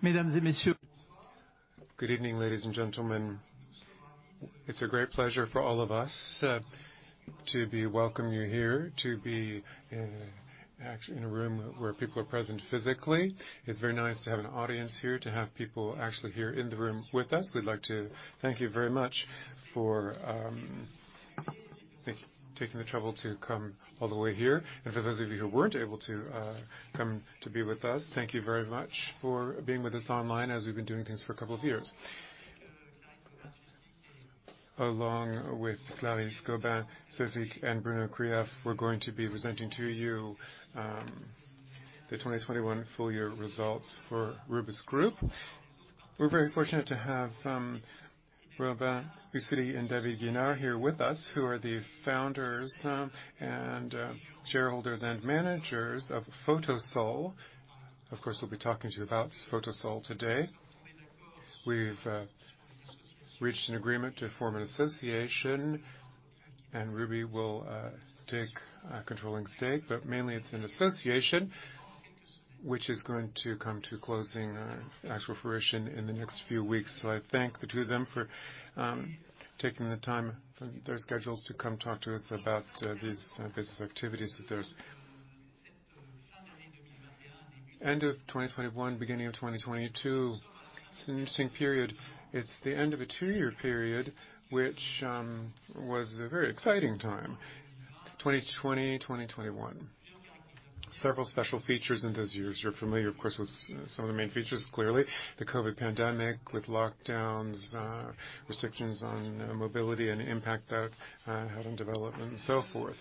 Good evening, ladies and gentlemen. It's a great pleasure for all of us to welcome you here, to be in a room where people are present physically. It's very nice to have an audience here, to have people actually here in the room with us. We'd like to thank you very much for taking the trouble to come all the way here. For those of you who weren't able to come to be with us, thank you very much for being with us online as we've been doing things for a couple of years. Along with Clarisse Gobin-Swiecznik, and Bruno Krief, we're going to be presenting to you the 2021 full year results for Rubis Group. We're very fortunate to have Robin Ucelli and David Guinard here with us, who are the Founders and Shareholders and Managers of Photosol. Of course, we'll be talking to you about Photosol today. We've reached an agreement to form an association, and Rubis will take a controlling stake, but mainly it's an association which is going to come to closing, actual fruition in the next few weeks. I thank the two of them for taking the time from their schedules to come talk to us about these business activities of theirs. End of 2021, beginning of 2022. It's an interesting period. It's the end of a two-year period which was a very exciting time, 2020, 2021. Several special features in those years. You're familiar, of course, with some of the main features, clearly. The COVID pandemic with lockdowns, restrictions on mobility and the impact that had on development and so forth.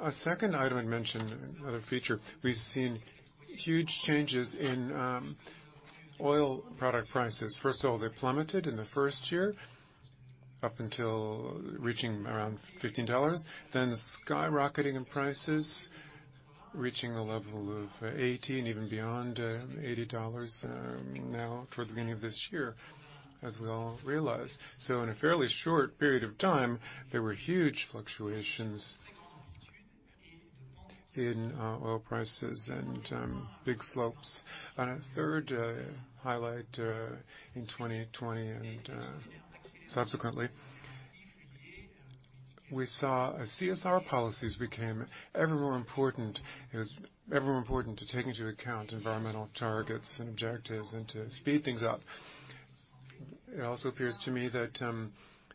A second item I'd mention, another feature, we've seen huge changes in oil product prices. First of all, they plummeted in the first year up until reaching around $15, then skyrocketing in prices, reaching a level of $80 and even beyond $80, now toward the beginning of this year, as we all realize. In a fairly short period of time, there were huge fluctuations in oil prices and big slopes. A third highlight in 2020 and subsequently, we saw as CSR policies became ever more important. It was ever more important to take into account environmental targets and objectives and to speed things up. It also appears to me that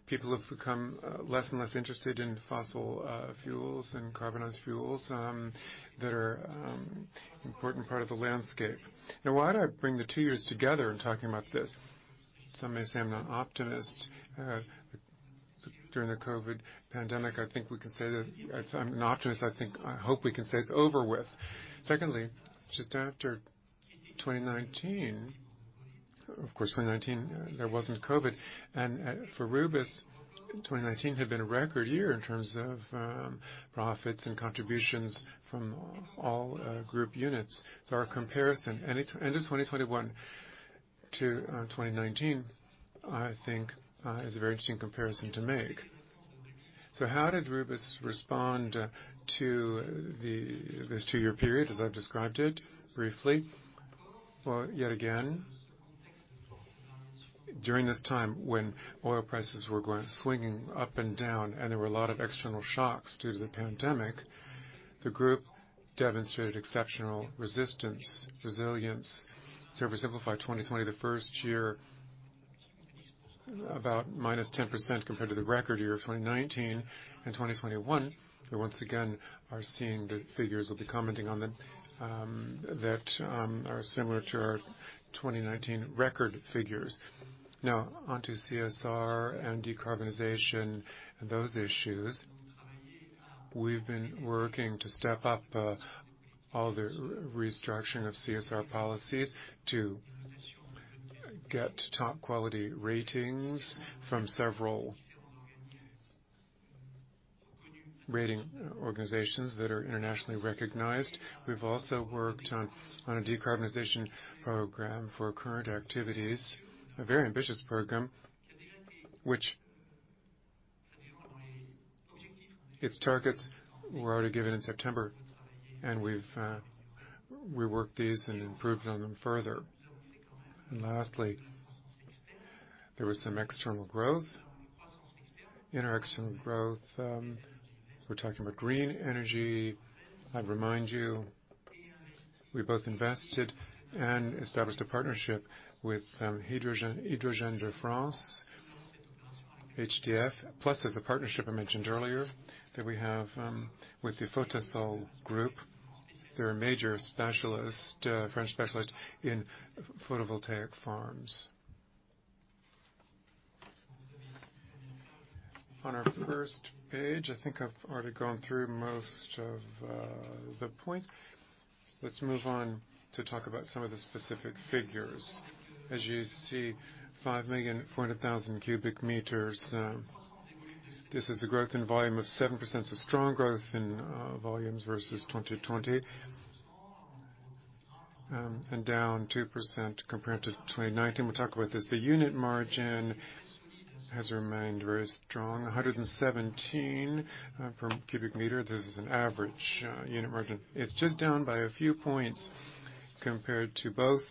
people have become less and less interested in fossil fuels and carbonized fuels that are important part of the landscape. Now, why do I bring the two years together in talking about this? Some may say I'm an optimist. During the COVID pandemic, I think we can say that I'm an optimist. I think, I hope we can say it's over with. Secondly, just after 2019. Of course, 2019, there wasn't COVID. For Rubis, 2019 had been a record year in terms of profits and contributions from all group units. Our comparison, end of 2021-2019, I think, is a very interesting comparison to make. How did Rubis respond to this two-year period, as I've described it briefly? Well, yet again, during this time when oil prices were going swinging up and down and there were a lot of external shocks due to the pandemic, the group demonstrated exceptional resistance, resilience. To oversimplify, 2020, the first year, about -10% compared to the record year of 2019 and 2021. We once again are seeing the figures, we'll be commenting on them, that are similar to our 2019 record figures. Now on to CSR and decarbonization and those issues. We've been working to step up all the restructuring of CSR policies to get top quality ratings from several rating organizations that are internationally recognized. We've also worked on a decarbonization program for current activities. A very ambitious program, which its targets were already given in September, and we've worked these and improved on them further. Lastly, there was some external growth. In our external growth, we're talking about green energy. I'd remind you, we both invested and established a partnership with Hydrogène de France, HDF. Plus, there's a partnership I mentioned earlier that we have with the Photosol group. They're a major specialist, French specialist in photovoltaic farms. On our first page, I think I've already gone through most of the points. Let's move on to talk about some of the specific figures. As you see, 5,400,000 cu m, this is a growth in volume of 7%. Strong growth in volumes versus 2020, and down 2% compared to 2019. We'll talk about this. The unit margin has remained very strong, 117 per cubic meter. This is an average unit margin. It's just down by a few points compared to both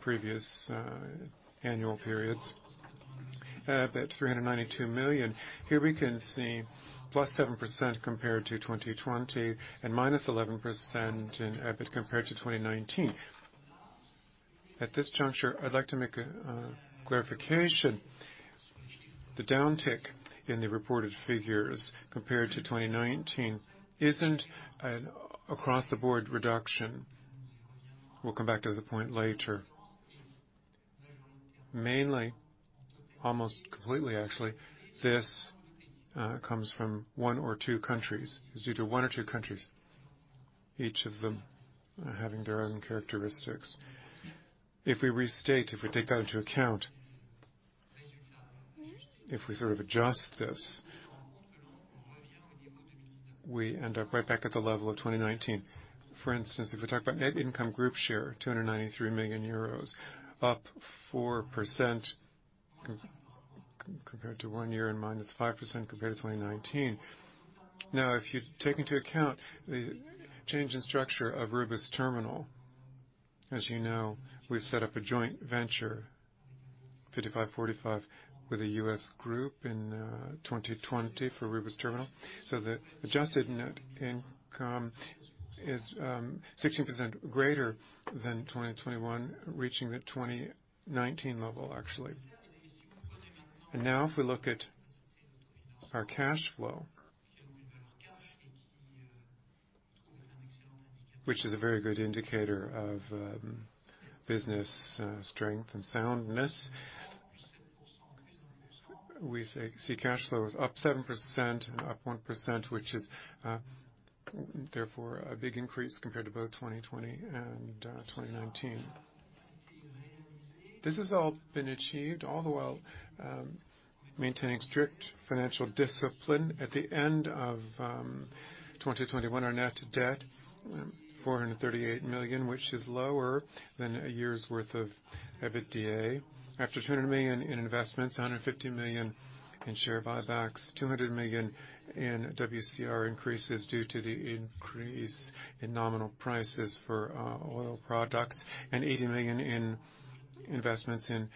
previous annual periods. 392 million. Here we can see +7% compared to 2020 and -11% in EBIT compared to 2019. At this juncture, I'd like to make a clarification. The downtick in the reported figures compared to 2019 isn't an across-the-board reduction. We'll come back to the point later. Mainly, almost completely actually, this comes from one or two countries. It's due to one or two countries, each of them having their own characteristics. If we restate, if we take that into account, if we sort of adjust this, we end up right back at the level of 2019. For instance, if we talk about net income group share, 293 million euros, up 4% compared to one year and -5% compared to 2019. Now, if you take into account the change in structure of Rubis Terminal, as you know, we've set up a joint venture, 55/45, with a U.S. group in 2020 for Rubis Terminal. So the adjusted net income is 16% greater than 2021, reaching the 2019 level, actually. Now if we look at our cash flow, which is a very good indicator of business strength and soundness, we see cash flow is up 7% and up 1%, which is therefore a big increase compared to both 2020 and 2019. This has all been achieved all the while maintaining strict financial discipline. At the end of 2021, our net debt 438 million, which is lower than a year's worth of EBITDA. After 200 million in investments, 150 million in share buybacks, 200 million in WCR increases due to the increase in nominal prices for oil products, and 80 million in investments in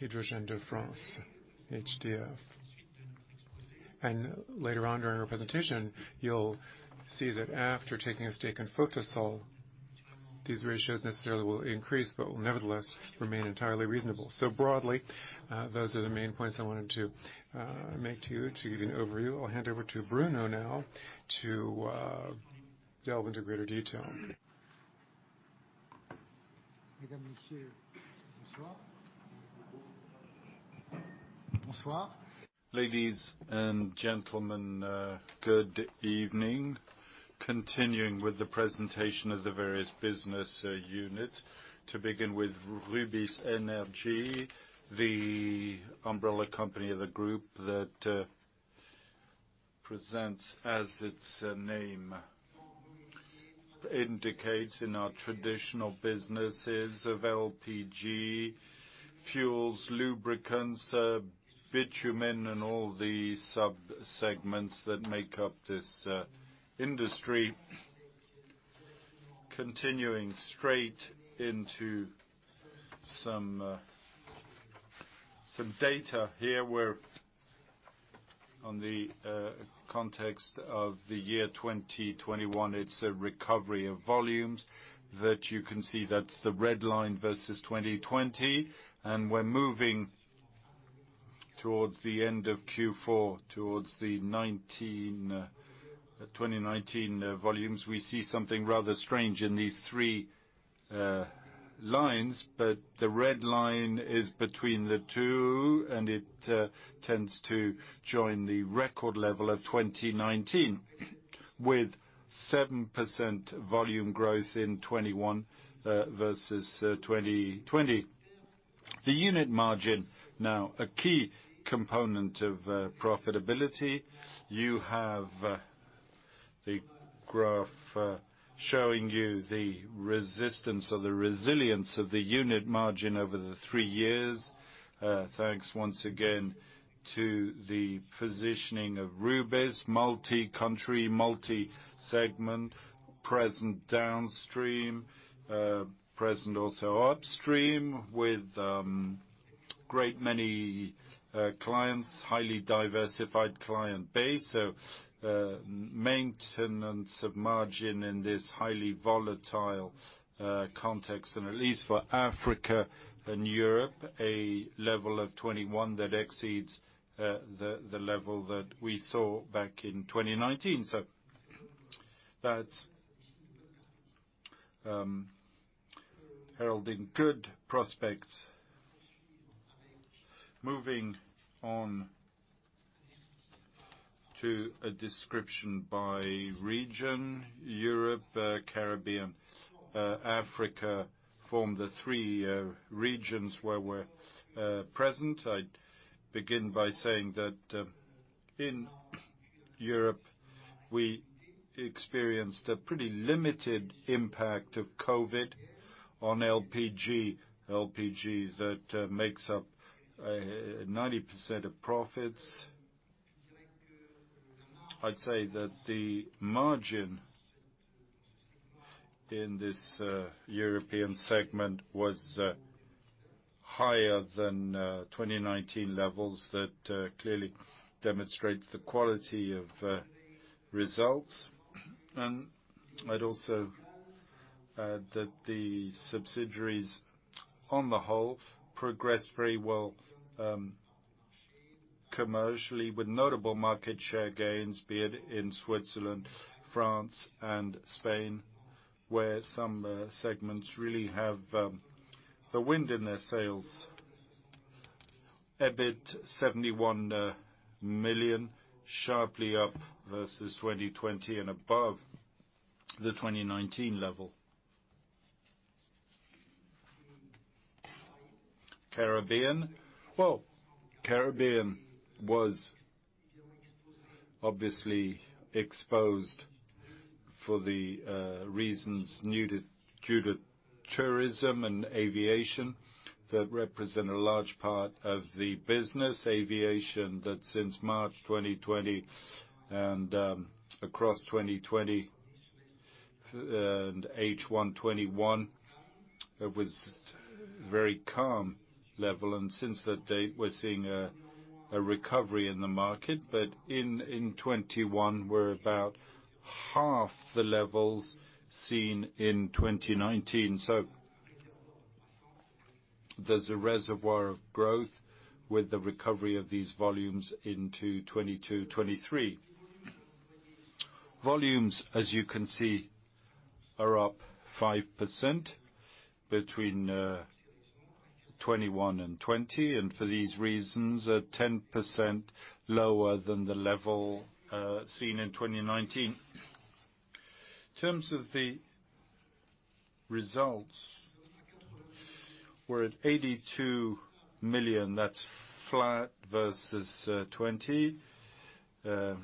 Hydrogène de France, HDF. Later on during our presentation, you'll see that after taking a stake in Photosol, these ratios necessarily will increase, but will nevertheless remain entirely reasonable. Broadly, those are the main points I wanted to make to you to give an overview. I'll hand over to Bruno now to delve into greater detail. Ladies and gentlemen, good evening. Continuing with the presentation of the various business units. To begin with, Rubis Énergie, the umbrella company of the group that presents, as its name indicates, in our traditional businesses of LPG, fuels, lubricants, bitumen, and all the subsegments that make up this industry. Continuing straight into some data here, where, in the context of the year 2021, it's a recovery of volumes that you can see. That's the red line versus 2020. We're moving towards the end of Q4, towards the 2019 volumes. We see something rather strange in these three lines, but the red line is between the two, and it tends to join the record level of 2019 with 7% volume growth in 2021 versus 2020. The unit margin, now a key component of profitability, you have the graph showing you the resistance or the resilience of the unit margin over the three years. Thanks once again to the positioning of Rubis, multi-country, multi-segment, present downstream, present also upstream with great many clients, highly diversified client base. Maintenance of margin in this highly volatile context. At least for Africa and Europe, a level of 21 that exceeds the level that we saw back in 2019. That helding good prospects. Moving on to a description by region. Europe, Caribbean, Africa form the three regions where we're present. I begin by saying that in Europe, we experienced a pretty limited impact of COVID on LPG. LPG that makes up 90% of profits. I'd say that the margin in this European segment was higher than 2019 levels that clearly demonstrates the quality of results. I'd also add that the subsidiaries on the whole progressed very well commercially with notable market share gains, be it in Switzerland, France, and Spain, where some segments really have the wind in their sails. EBIT 71 million, sharply up versus 2020 and above the 2019 level. Caribbean. Caribbean was obviously exposed for the reasons due to tourism and aviation that represent a large part of the business. Aviation that since March 2020 and across 2020 and H1 2021, it was very calm level. Since that date, we're seeing a recovery in the market. In 2021, we're about half the levels seen in 2019. There's a reservoir of growth with the recovery of these volumes into 2022, 2023. Volumes, as you can see, are up 5% between 2021 and 2020, and for these reasons, are 10% lower than the level seen in 2019. In terms of the results, we're at 82 million. That's flat versus 2020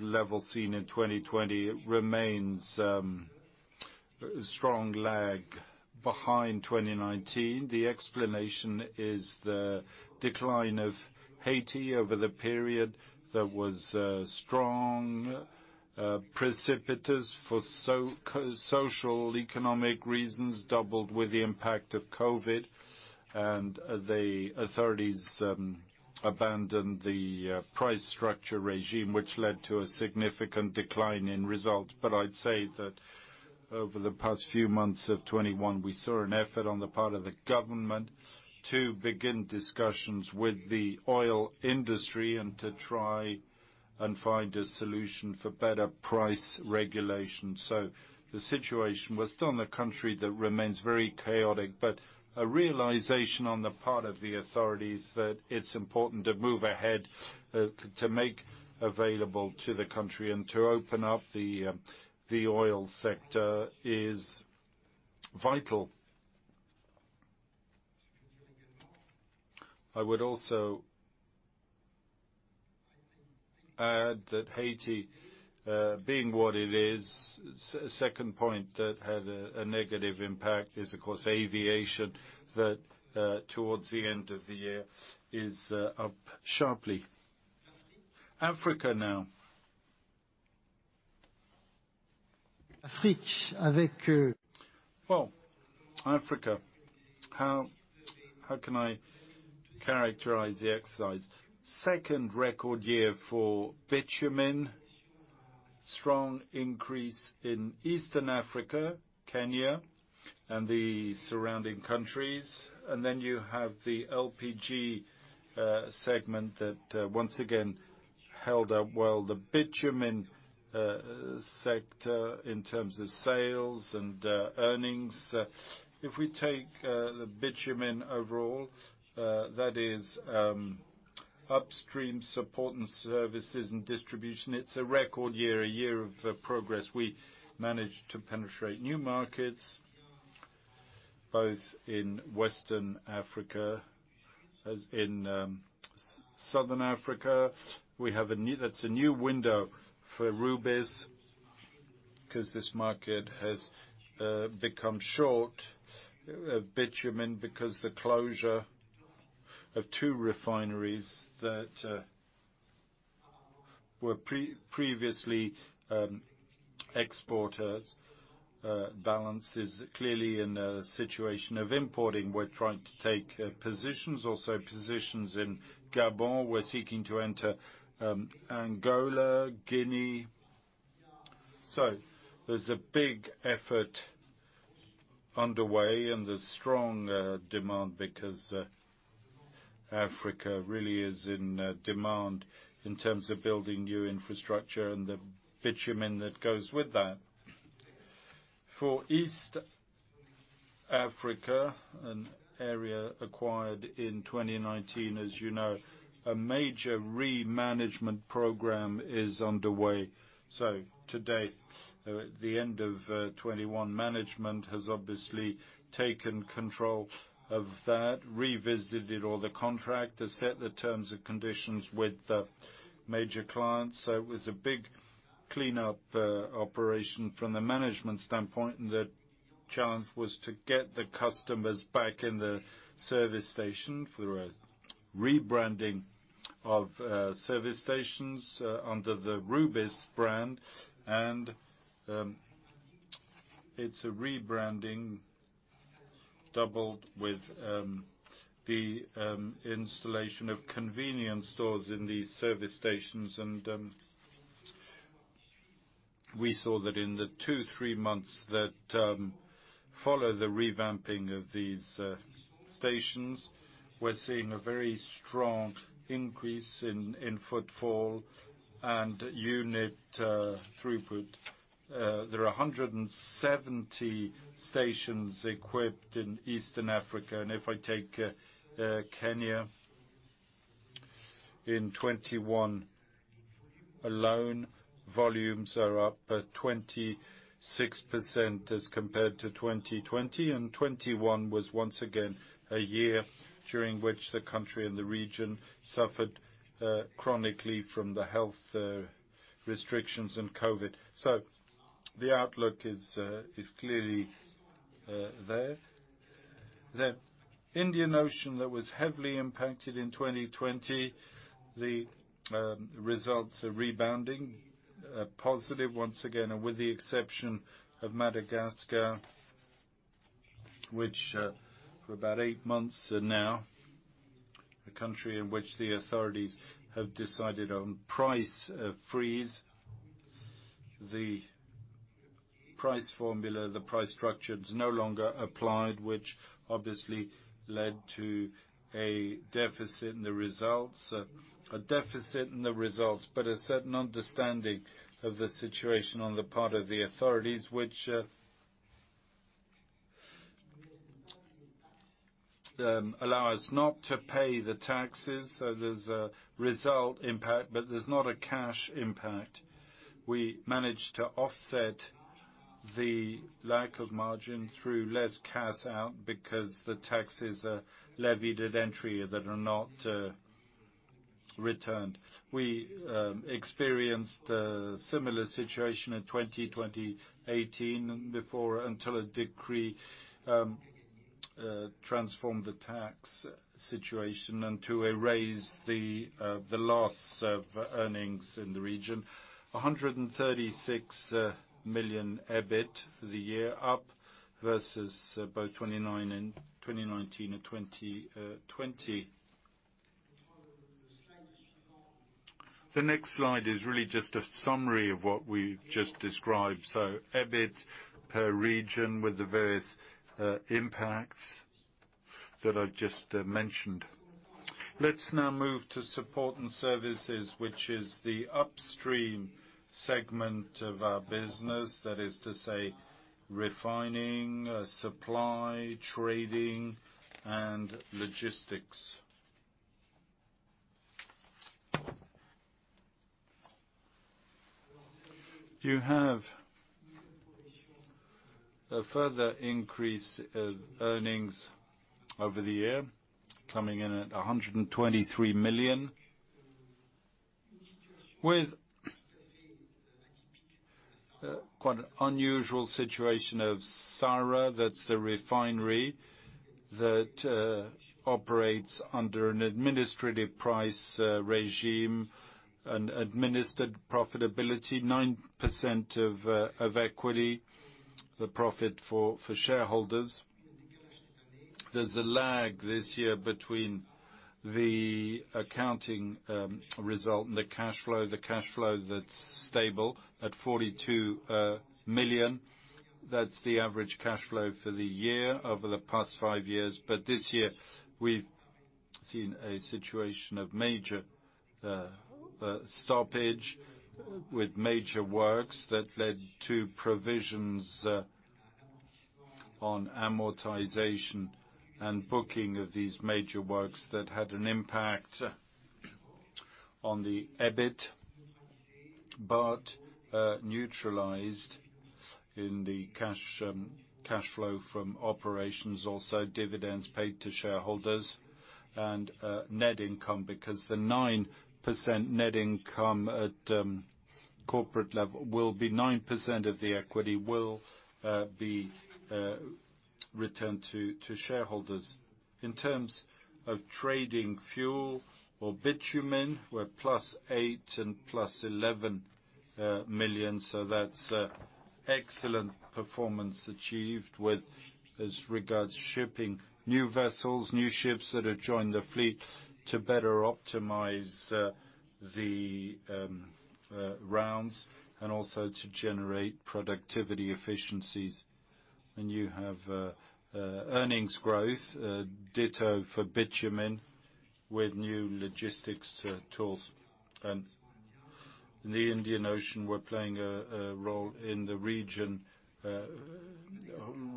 level seen in 2020 remains strong lag behind 2019. The explanation is the decline of Haiti over the period that was strong precipitous for social economic reasons, coupled with the impact of COVID and the authorities abandoned the price structure regime, which led to a significant decline in results. I'd say that over the past few months of 2021, we saw an effort on the part of the government to begin discussions with the oil industry and to try and find a solution for better price regulation. The situation, we're still in a country that remains very chaotic, but a realization on the part of the authorities that it's important to move ahead, to make available to the country and to open up the oil sector is vital. I would also add that Haiti, being what it is, second point that had a negative impact is, of course, aviation that towards the end of the year is up sharply. Africa now. Well, Africa, how can I characterize the excise? Second record year for bitumen. Strong increase in Eastern Africa, Kenya and the surrounding countries. You have the LPG segment that once again held up well. The bitumen sector in terms of sales and earnings. If we take the bitumen overall, that is, upstream Support and Services and distribution, it's a record year, a year of progress. We managed to penetrate new markets both in Western Africa, as in Southern Africa. That's a new window for Rubis because this market has become short of bitumen because the closure of two refineries that were previously exporters balances. Gabon is clearly in a situation of importing. We're trying to take positions. Also positions in Gabon. We're seeking to enter Angola, Guinea. There's a big effort underway and there's strong demand because Africa really is in demand in terms of building new infrastructure and the bitumen that goes with that. For East Africa, an area acquired in 2019, as you know, a major re-management program is underway. To date, at the end of 2021, management has obviously taken control of that, revisited all the contractors, set the terms and conditions with the major clients. It was a big cleanup operation from the management standpoint. The challenge was to get the customers back in the service station through a rebranding of service stations under the Rubis brand. It's a rebranding doubled with the installation of convenience stores in these service stations. We saw that in the two, three months that follow the revamping of these stations, we're seeing a very strong increase in footfall and unit throughput. There are 170 stations equipped in Eastern Africa. If I take Kenya, in 2021 alone, volumes are up 26% as compared to 2020. 2021 was once again a year during which the country and the region suffered chronically from the health restrictions and COVID. The outlook is clearly there. The Indian Ocean that was heavily impacted in 2020, the results are rebounding positive once again, and with the exception of Madagascar, which for about eight months now, a country in which the authorities have decided on price freeze. The price formula, the price structure is no longer applied, which obviously led to a deficit in the results. A deficit in the results, but a certain understanding of the situation on the part of the authorities which allow us not to pay the taxes. There's a result impact, but there's not a cash impact. We managed to offset the lack of margin through less cash out because the taxes are levied at entry that are not returned. We experienced a similar situation in 2018 and before, until a decree transformed the tax situation and to erase the loss of earnings in the region. 136 million EBIT for the year up versus both in 2019 and in 2020. The next slide is really just a summary of what we've just described. EBIT per region with the various impacts that I just mentioned. Let's now move to Support and Services, which is the upstream segment of our business. That is to say, refining, supply, trading, and logistics. You have a further increase of earnings over the year, coming in at 123 million, with quite an unusual situation of SARA, that's the refinery that operates under an administered price regime, an administered profitability, 9% of equity, the profit for shareholders. There's a lag this year between the accounting result and the cash flow. The cash flow that's stable at 42 million. That's the average cash flow for the year over the past five years. This year, we've seen a situation of major stoppage with major works that led to provisions on amortization and booking of these major works that had an impact on the EBIT but neutralized in the cash flow from operations, also dividends paid to shareholders and net income, because the 9% net income at corporate level will be 9% of the equity returned to shareholders. In terms of trading fuel or bitumen, we're +8 million and +11 million. So that's excellent performance achieved as regards shipping. New vessels, new ships that have joined the fleet to better optimize the routes and also to generate productivity efficiencies. You have earnings growth, ditto for bitumen with new logistics tools. In the Indian Ocean, we're playing a role in the region,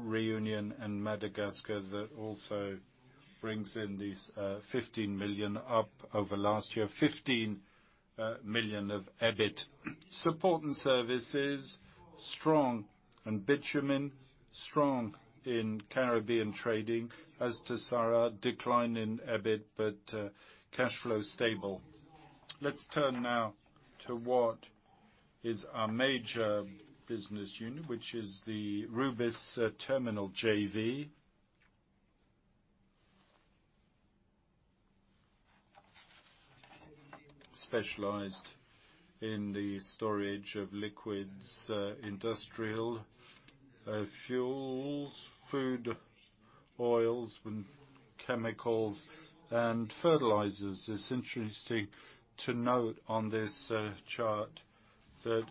Réunion and Madagascar that also brings in these 15 million up over last year. 15 million of EBIT. Support and Services, strong in bitumen, strong in Caribbean trading. As to SARA, decline in EBIT, but cash flow stable. Let's turn now to what is our major business unit, which is the Rubis Terminal JV. Specialized in the storage of liquids, industrial fuels, food oils, and chemicals, and fertilizers. It's interesting to note on this chart that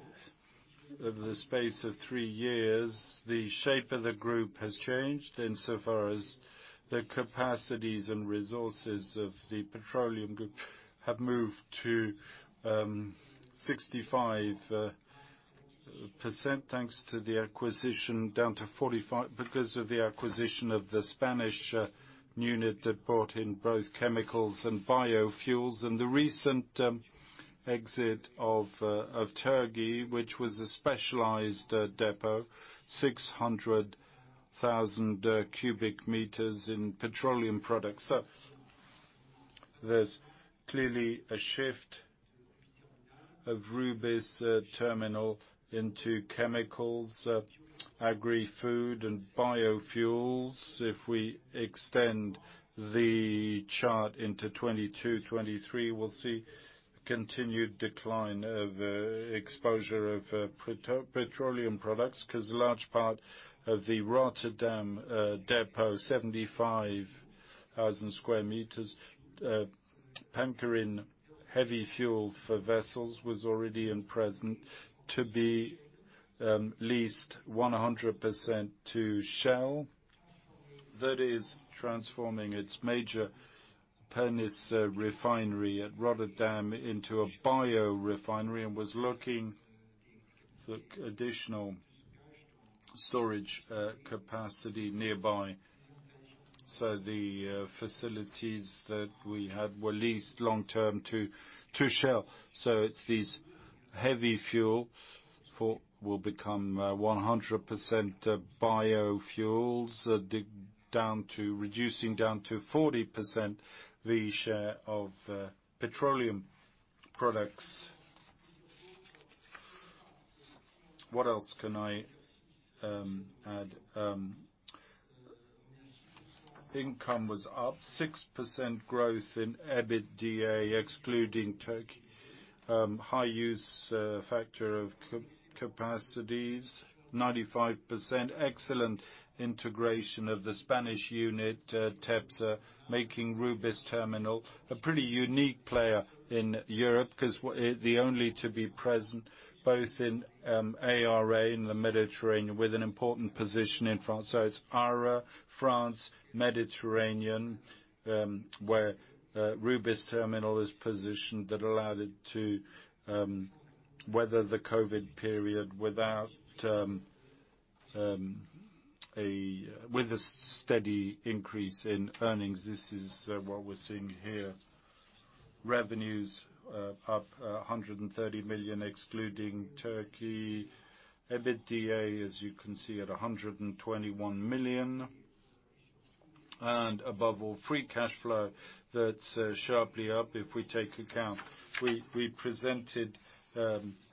over the space of three years, the shape of the group has changed and so far as the capacities and resources of the petroleum group have moved to 65%, thanks to the acquisition down to 45% because of the acquisition of the Spanish unit that brought in both chemicals and biofuels. Recent exit of Turkey, which was a specialized depot, 600,000 cu m in petroleum products. There's clearly a shift of Rubis Terminal into chemicals, agri-food and biofuels. If we extend the chart into 2022, 2023, we'll see continued decline of exposure of petroleum products, 'cause a large part of the Rotterdam depot, 75,000 sq m, anchoring heavy fuel for vessels, was already in process to be leased 100% to Shell. That is transforming its major Pernis refinery at Rotterdam into a biorefinery and was looking for additional storage capacity nearby. The facilities that we had were leased long-term to Shell. It's these heavy fuel will become 100% biofuels, down to reducing down to 40% the share of petroleum products. What else can I add? Income was up. 6% growth in EBITDA, excluding Turkey, high use factor of capacities, 95%. Excellent integration of the Spanish unit, Tepsa, making Rubis Terminal a pretty unique player in Europe, 'cause the only to be present both in ARA, in the Mediterranean, with an important position in France. It's ARA, France, Mediterranean where Rubis Terminal is positioned that allowed it to weather the COVID period with a steady increase in earnings. This is what we're seeing here. Revenues up 130 million, excluding Turkey. EBITDA, as you can see, at 121 million. Above all, free cash flow that's sharply up if we take account. We presented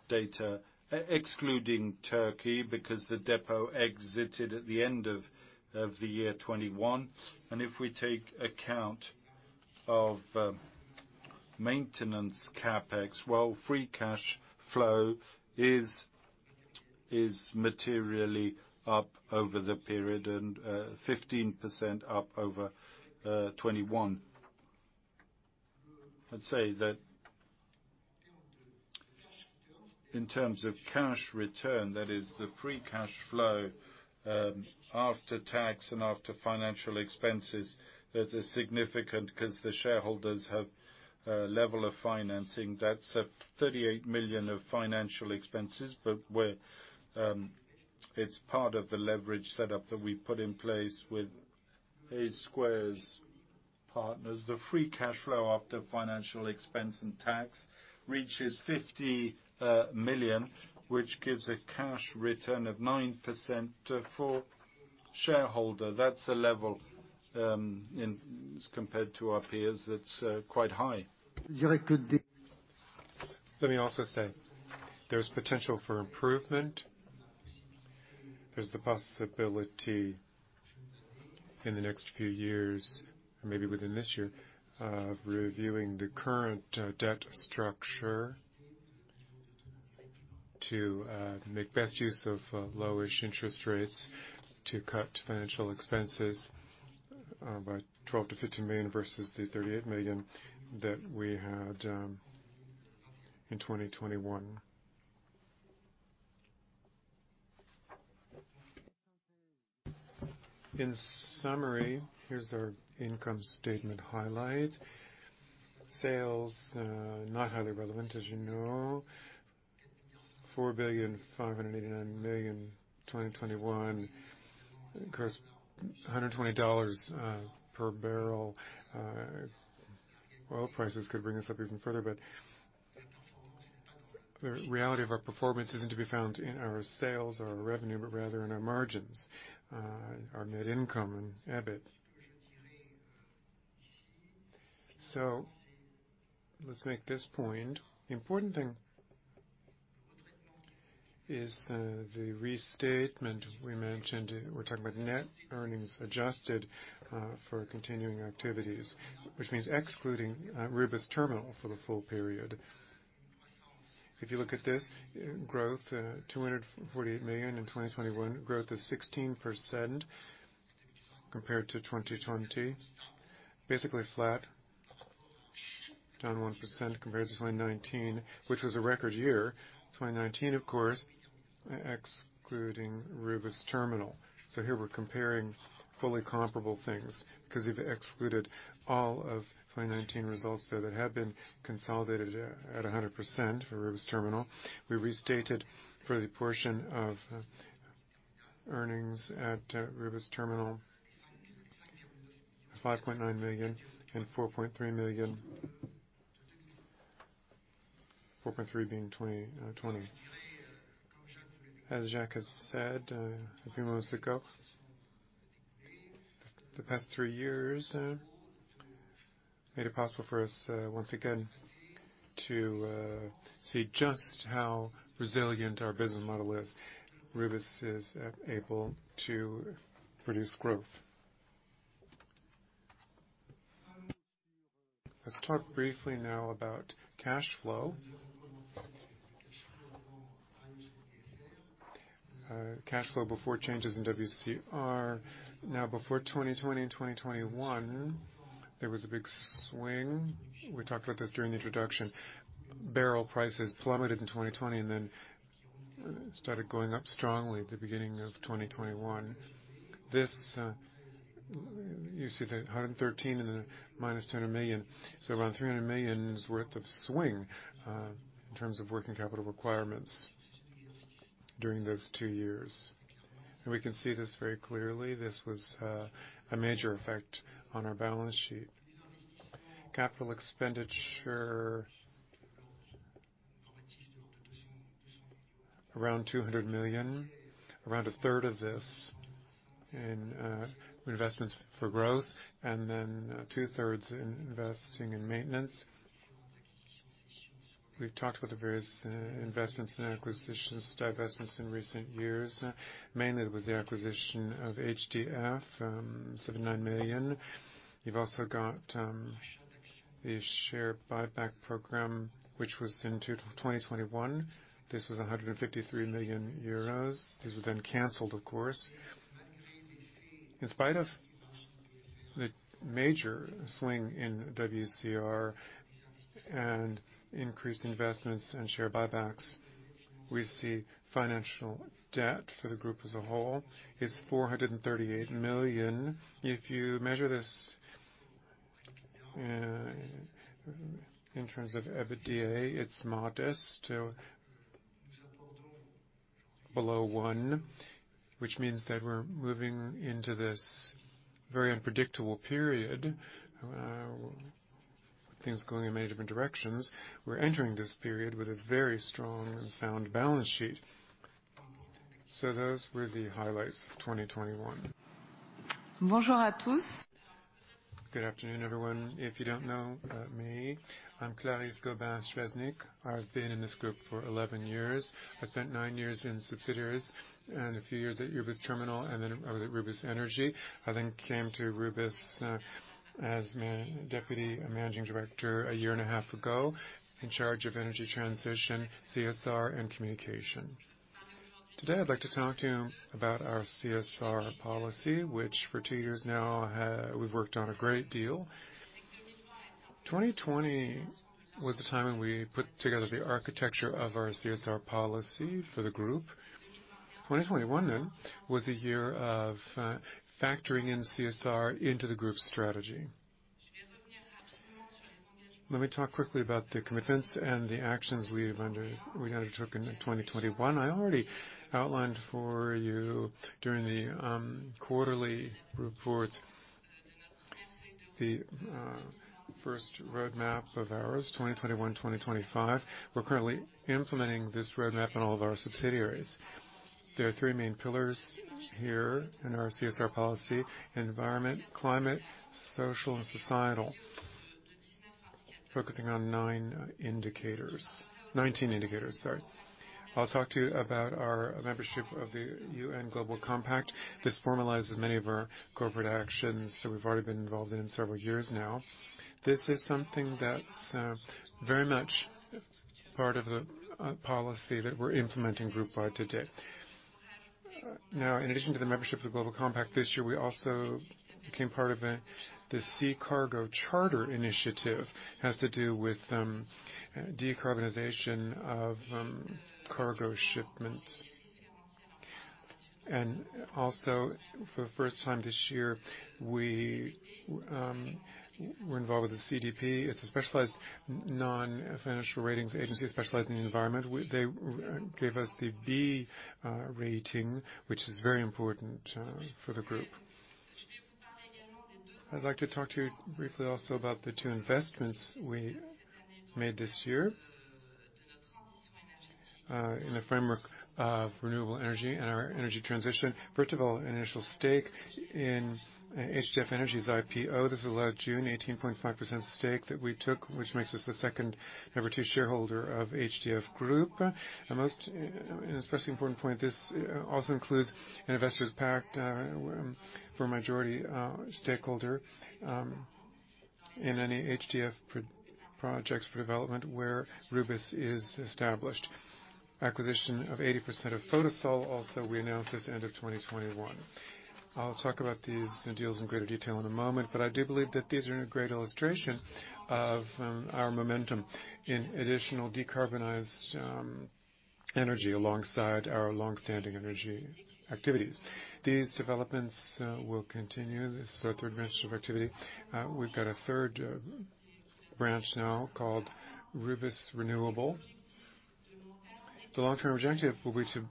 data excluding Turkey because the depot exited at the end of the year 2021. If we take account of maintenance CapEx, free cash flow is materially up over the period and 15% up over 2021. I'd say that in terms of cash return, that is the free cash flow after tax and after financial expenses, that is significant 'cause the shareholders have a level of financing. That's 38 million of financial expenses, but it's part of the leverage setup that we put in place with I Squared Partners. The free cash flow after financial expense and tax reaches 50 million, which gives a cash return of 9% for shareholder. That's a level as compared to our peers, that's quite high. Let me also say, there's potential for improvement. There's the possibility in the next few years, or maybe within this year, of reviewing the current debt structure to make best use of low-ish interest rates to cut financial expenses by 12 million-15 million versus the 38 million that we had in 2021. In summary, here's our income statement highlight. Sales not highly relevant, as you know. 4.589 billion, 2021. Of course, $120 per barrel oil prices could bring us up even further. The reality of our performance isn't to be found in our sales or revenue, but rather in our margins, our net income and EBIT. Let's make this point. The important thing is the restatement we mentioned. We're talking about net earnings adjusted for continuing activities, which means excluding Rubis Terminal for the full period. If you look at this growth, 248 million in 2021, growth of 16% compared to 2020, basically flat, down 1% compared to 2019, which was a record year. 2019, of course, excluding Rubis Terminal. Here we're comparing fully comparable things because we've excluded all of 2019 results that had been consolidated at a 100% for Rubis Terminal. We restated for the portion of earnings at Rubis Terminal 5.9 million and 4.3 million. 4.3 million being 2020. As Jacques has said a few moments ago, the past three years made it possible for us once again to see just how resilient our business model is. Rubis is able to produce growth. Let's talk briefly now about cash flow before changes in WCR. Now, before 2020 and 2021, there was a big swing. We talked about this during the introduction. Barrel prices plummeted in 2020 and then started going up strongly at the beginning of 2021. This, you see, the 113 million and the -200 million. Around 300 million worth of swing in terms of working capital requirements during those two years. We can see this very clearly. This was a major effect on our balance sheet. Capital expenditure around 200 million, around 1/3 of this in investments for growth, and then 2/3 in investing in maintenance. We've talked about the various investments and acquisitions, divestments in recent years. Mainly it was the acquisition of HDF, 79 million. You've also got the share buyback program, which was in 2021. This was 153 million euros. These were then canceled, of course. In spite of the major swing in WCR and increased investments and share buybacks, we see financial debt for the group as a whole is 438 million. If you measure this in terms of EBITDA, it's modest. Below one, which means that we're moving into this very unpredictable period, things going in many different directions. We're entering this period with a very strong and sound balance sheet. Those were the highlights of 2021. Good afternoon, everyone. If you don't know me, I'm Clarisse Gobin-Swiecznik. I've been in this group for 11 years. I spent nine years in subsidiaries and a few years at Rubis Terminal, and then I was at Rubis Énergie. I then came to Rubis as deputy managing director a year and a half ago in charge of energy transition, CSR, and communication. Today, I'd like to talk to you about our CSR policy, which for two years now we've worked on a great deal. 2020 was the time when we put together the architecture of our CSR policy for the group. 2021 then was a year of factoring in CSR into the group's strategy. Let me talk quickly about the commitments and the actions we undertook in 2021. I already outlined for you during the quarterly reports the first roadmap of ours, 2021-2025. We're currently implementing this roadmap in all of our subsidiaries. There are three main pillars here in our CSR policy: environment, climate, social, and societal, focusing on nine indicators. 19 indicators, sorry. I'll talk to you about our membership of the UN Global Compact. This formalizes many of our corporate actions, so we've already been involved in it several years now. This is something that's very much part of the policy that we're implementing groupwide today. Now, in addition to the membership of the Global Compact this year, we also became part of the Sea Cargo Charter initiative. It has to do with decarbonization of cargo shipments. Also for the first time this year, we're involved with the CDP. It's a specialized non-financial ratings agency that specialize in the environment. They gave us the B rating, which is very important for the group. I'd like to talk to you briefly also about the two investments we made this year in the framework of renewable energy and our energy transition. First of all, initial stake in HDF Energy's IPO. This is last June, 18.5% stake that we took, which makes us the number two shareholder of HDF Group. A most especially important point, this also includes an investors pact for majority stakeholder in any HDF projects for development where Rubis is established. Acquisition of 80% of Photosol. Also, we announced this end of 2021. I'll talk about these deals in greater detail in a moment, but I do believe that these are a great illustration of our momentum in additional decarbonized energy alongside our long-standing energy activities. These developments will continue. This is our third branch of activity. We've got a third branch now called Rubis Renewables. The long-term objective will be to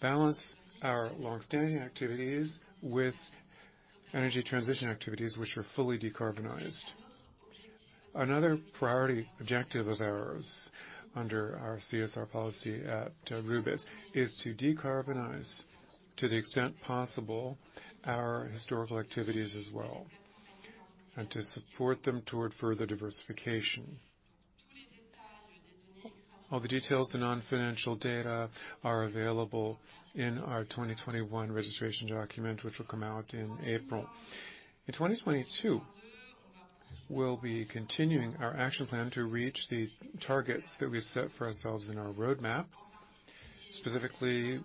balance our long-standing activities with energy transition activities which are fully decarbonized. Another priority objective of ours under our CSR policy at Rubis is to decarbonize to the extent possible our historical activities as well, and to support them toward further diversification. All the details of the non-financial data are available in our 2021 registration document, which will come out in April. In 2022, we'll be continuing our action plan to reach the targets that we set for ourselves in our roadmap, specifically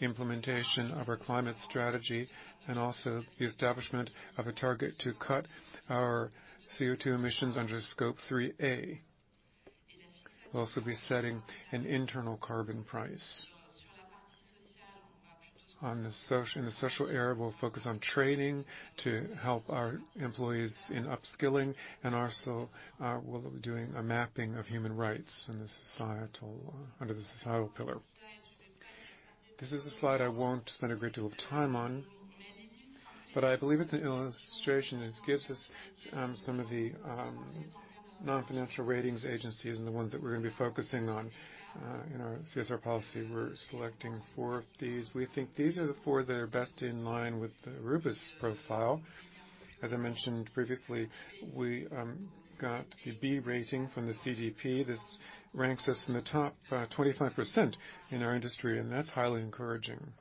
implementation of our climate strategy and also the establishment of a target to cut our CO2 emissions under Scope 3A. We'll also be setting an internal carbon price. In the social area, we'll focus on training to help our employees in upskilling, and also we'll be doing a mapping of human rights in the societal under the societal pillar. This is a slide I won't spend a great deal of time on, but I believe it's an illustration. It gives us some of the non-financial ratings agencies and the ones that we're gonna be focusing on in our CSR policy. We're selecting four of these. We think these are the four that are best in line with the Rubis profile. As I mentioned previously, we got the B rating from the CDP. This ranks us in the top 25% in our industry, and that's highly encouraging.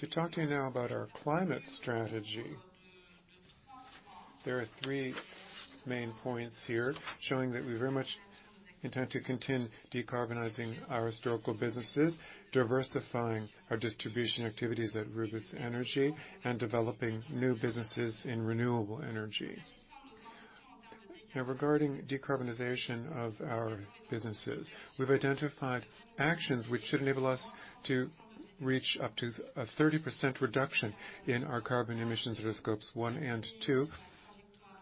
To talk to you now about our climate strategy, there are three main points here showing that we very much intend to continue decarbonizing our historical businesses, diversifying our distribution activities at Rubis Énergie, and developing new businesses in renewable energy. Now regarding decarbonization of our businesses, we've identified actions which should enable us to reach up to a 30% reduction in our carbon emissions at Scope 1 and 2,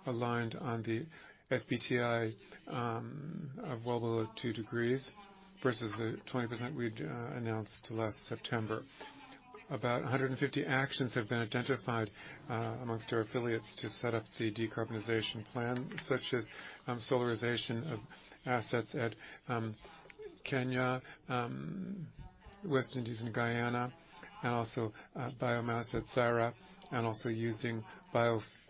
aligned on the SBTi, of well below two degrees versus the 20% we'd announced last September. About 150 actions have been identified amongst our affiliates to set up the decarbonization plan, such as solarization of assets at Kenya, West Indies and Guyana, and also biomass at SARA, and also using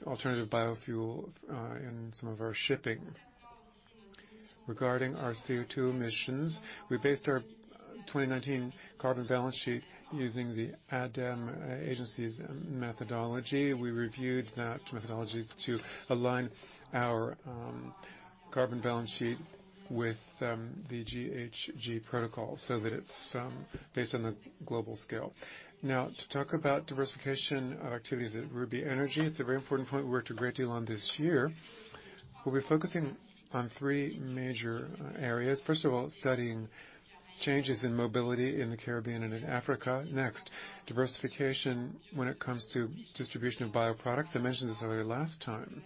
alternative biofuel in some of our shipping. Regarding our CO2 emissions, we based our 2019 carbon balance sheet using the ADEME's methodology. We reviewed that methodology to align our carbon balance sheet with the GHG Protocol, so that it's based on the global scale. Now, to talk about diversification of activities at Rubis Énergie, it's a very important point we worked a great deal on this year. We'll be focusing on three major areas. First of all, studying changes in mobility in the Caribbean and in Africa. Next, diversification when it comes to distribution of bioproducts. I mentioned this earlier last time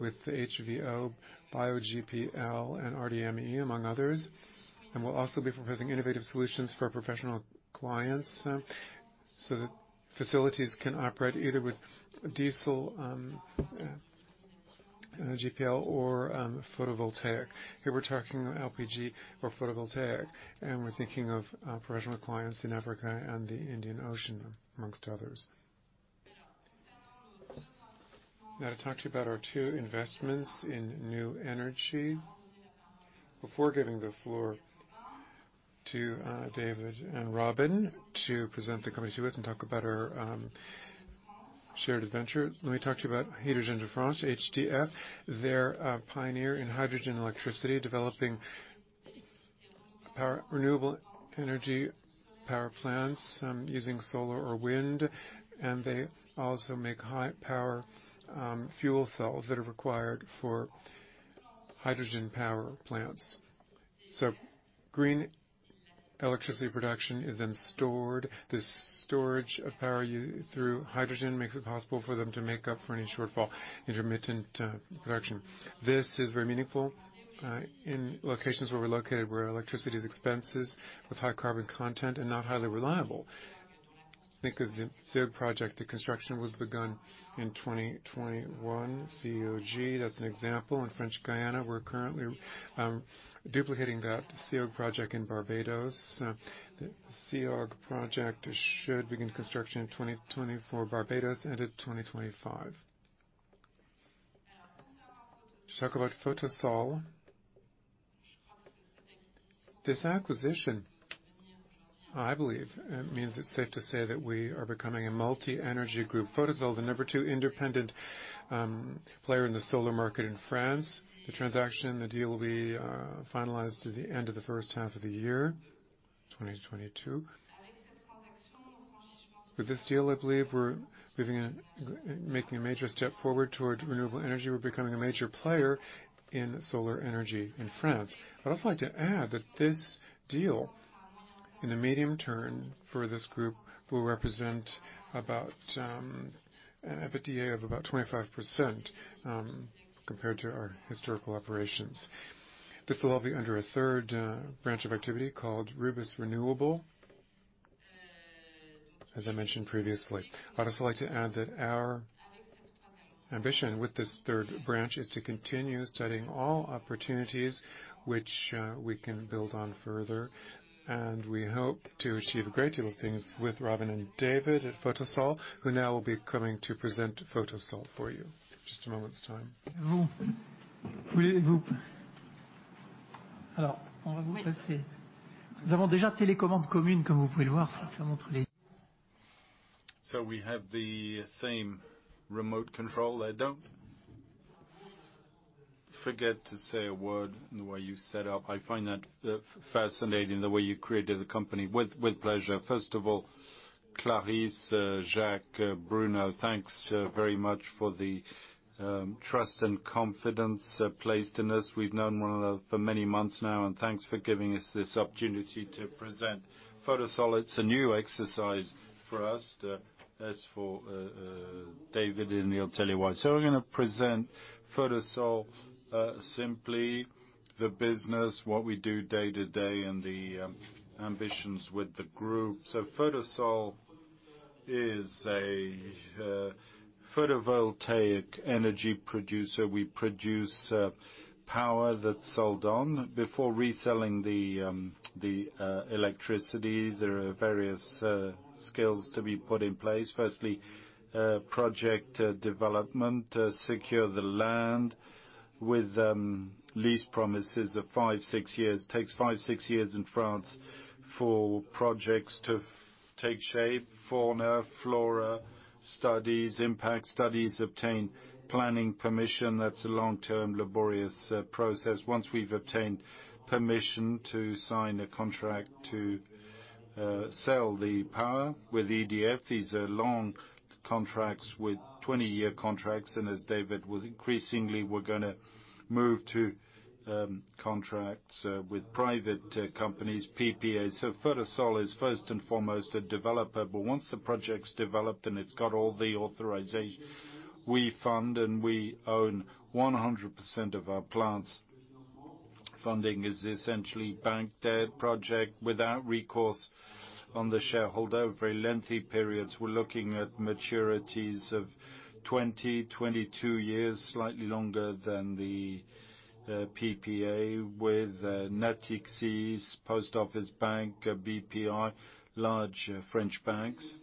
with the HVO, BioLPG, and rDME, among others. We'll also be proposing innovative solutions for professional clients, so that facilities can operate either with diesel, LPG or photovoltaic. Here we're talking LPG or photovoltaic, and we're thinking of professional clients in Africa and the Indian Ocean, among others. Now to talk to you about our two investments in new energy. Before giving the floor to David and Robin to present the company to us and talk about our shared adventure, let me talk to you about Hydrogène de France, HDF. They're a pioneer in hydrogen electricity, developing. Our renewable energy power plants, using solar or wind, and they also make high power fuel cells that are required for hydrogen power plants. Green electricity production is then stored. This storage of power through hydrogen makes it possible for them to make up for any shortfall, intermittent production. This is very meaningful in locations where we're located, where electricity is expensive with high carbon content and not highly reliable. Think of the CEOG project. The construction was begun in 2021. CEOG, that's an example. In French Guiana, we're currently duplicating that CEOG project in Barbados. The CEOG project should begin construction in 2024 in Barbados, and in 2025. Let's talk about Photosol. This acquisition, I believe, means it's safe to say that we are becoming a multi-energy group. Photosol, the number two independent player in the solar market in France. The transaction, the deal will be finalized through the end of the first half of the year, 2022. With this deal, I believe we're moving and making a major step forward towards renewable energy. We're becoming a major player in solar energy in France. I'd also like to add that this deal in the medium term for this group will represent about an EBITDA of about 25% compared to our historical operations. This will all be under a third branch of activity called Rubis Renewables, as I mentioned previously. I'd also like to add that our ambition with this third branch is to continue studying all opportunities which we can build on further, and we hope to achieve a great deal of things with Robin and David at Photosol, who now will be coming to present Photosol for you. Just a moment's time. We have the same remote control. Don't forget to say a word in the way you set up. I find that fascinating the way you created the company. With pleasure. First of all, Clarisse, Jacques, Bruno, thanks very much for the trust and confidence placed in us. We've known one another for many months now, and thanks for giving us this opportunity to present Photosol. It's a new exercise for us. As for David, and he'll tell you why. We're gonna present Photosol, simply the business, what we do day to day, and the ambitions with the group. Photosol is a photovoltaic energy producer. We produce power that's sold on. Before reselling the electricity, there are various skills to be put in place. Firstly, project development, secure the land with lease promises of five-six years. Takes five-six years in France for projects to take shape. Fauna, flora studies, impact studies, obtain planning permission. That's a long-term, laborious process. Once we've obtained permission to sign a contract to sell the power with EDF, these are long contracts with 20-year contracts, and as David will. Increasingly we're gonna move to contracts with private companies, PPAs. Photosol is first and foremost a developer, but once the project's developed and it's got all the authorization, we fund, and we own 100% of our plants. Funding is essentially bank debt project without recourse on the shareholder over very lengthy periods. We're looking at maturities of 20-22 years, slightly longer than the PPA with Natixis, La Banque Postale, BPI, large French banks.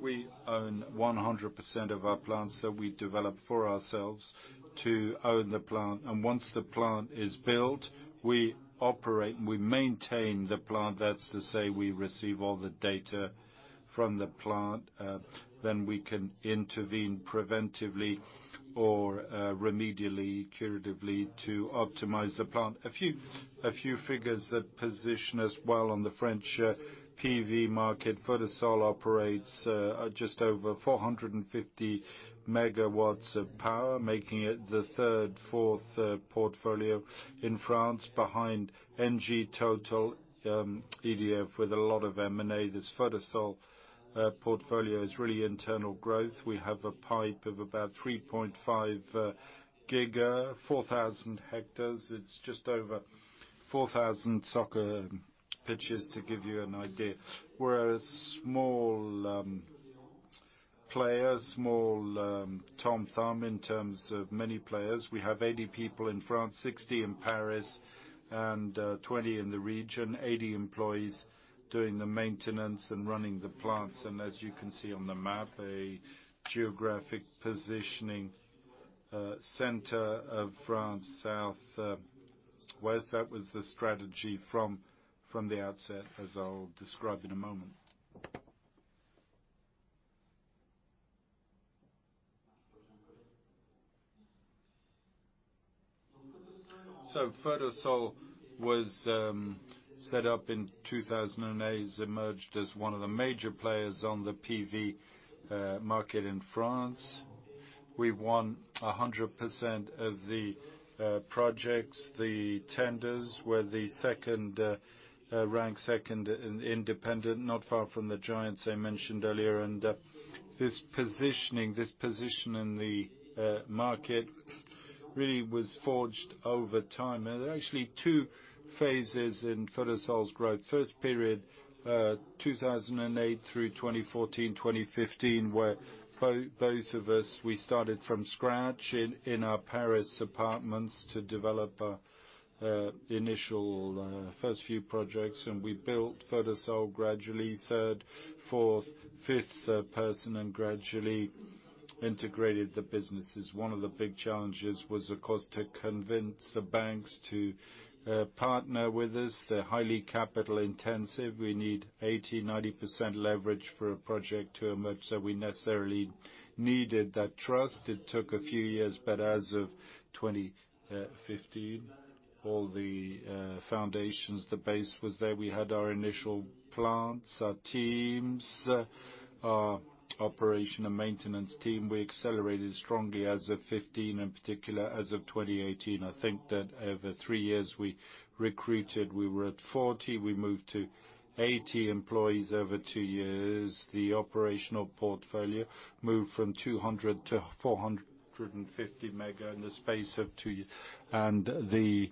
We own 100% of our plants that we develop for ourselves to own the plant. Once the plant is built, we operate, and we maintain the plant. That's to say we receive all the data from the plant, then we can intervene preventively or remedially, curatively to optimize the plant. A few figures that position us well on the French PV market. Photosol operates at just over 450 MW of power, making it the third, fourth portfolio in France behind ENGIE, Total, EDF with a lot of M&A. This Photosol portfolio is really internal growth. We have a pipe of about 3.5 GW, 4,000 hectares. It's just over 4,000 soccer pitches to give you an idea. We're a small player, small Tom Thumb in terms of many players. We have 80 people in France, 60 in Paris and 20 in the region. 80 employees doing the maintenance and running the plants. As you can see on the map, a geographic positioning center of France South. That was the strategy from the outset, as I'll describe in a moment. Photosol was set up in 2008. It's emerged as one of the major players on the PV market in France. We've won 100% of the projects. The tenders were the second rank, second in independent, not far from the giants I mentioned earlier. This positioning, this position in the market really was forged over time. There are actually two phases in Photosol's growth. First period, 2008 through 2014, 2015, where both of us, we started from scratch in our Paris apartments to develop our initial, first few projects. We built Photosol gradually, third, fourth, fifth person, and gradually integrated the businesses. One of the big challenges was, of course, to convince the banks to partner with us. They're highly capital intensive. We need 80%-90% leverage for a project to emerge, so we necessarily needed that trust. It took a few years, but as of 2015, all the foundations, the base was there. We had our initial plants, our teams, our operation and maintenance team. We accelerated strongly as of 2015, in particular as of 2018. I think that over three years, we recruited. We were at 40, we moved to 80 employees over two years. The operational portfolio moved from 200-450 mega in the space of two years and the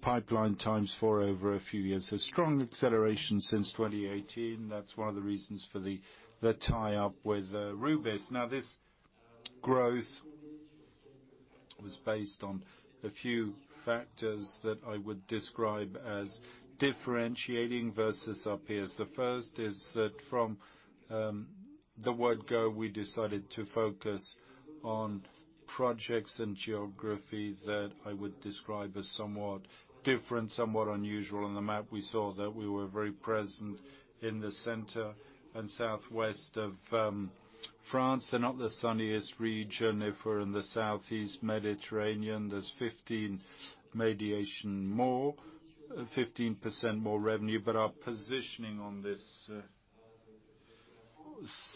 pipeline times four over a few years. A strong acceleration since 2018. That's one of the reasons for the tie-up with Rubis. Now this growth was based on a few factors that I would describe as differentiating versus our peers. The first is that from the word go, we decided to focus on projects and geography that I would describe as somewhat different, somewhat unusual. On the map, we saw that we were very present in the center and Southwest of France. They're not the sunniest region. If we're in the Southeast Mediterranean, there's 15% more radiation, 15% more revenue. But our positioning on this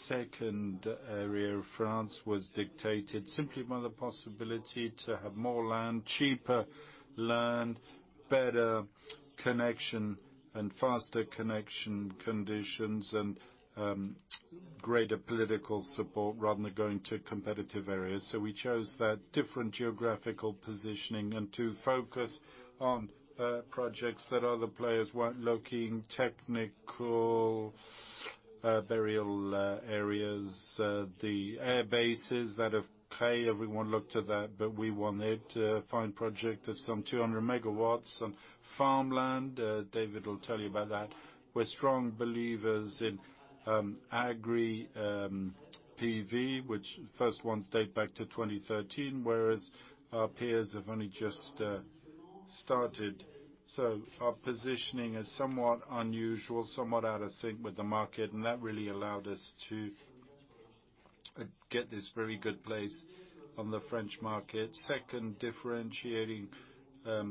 second area of France was dictated simply by the possibility to have more land, cheaper land, better connection and faster connection conditions and greater political support rather than going to competitive areas. We chose that different geographical positioning and to focus on projects that other players weren't looking. Technically rural areas, the air bases that everyone has looked at that, but we wanted to find project of some 200 MW, some farmland. David will tell you about that. We're strong believers in agri PV, which first ones date back to 2013, whereas our peers have only just started. Our positioning is somewhat unusual, somewhat out of sync with the market, and that really allowed us to get this very good place on the French market. Second differentiating factor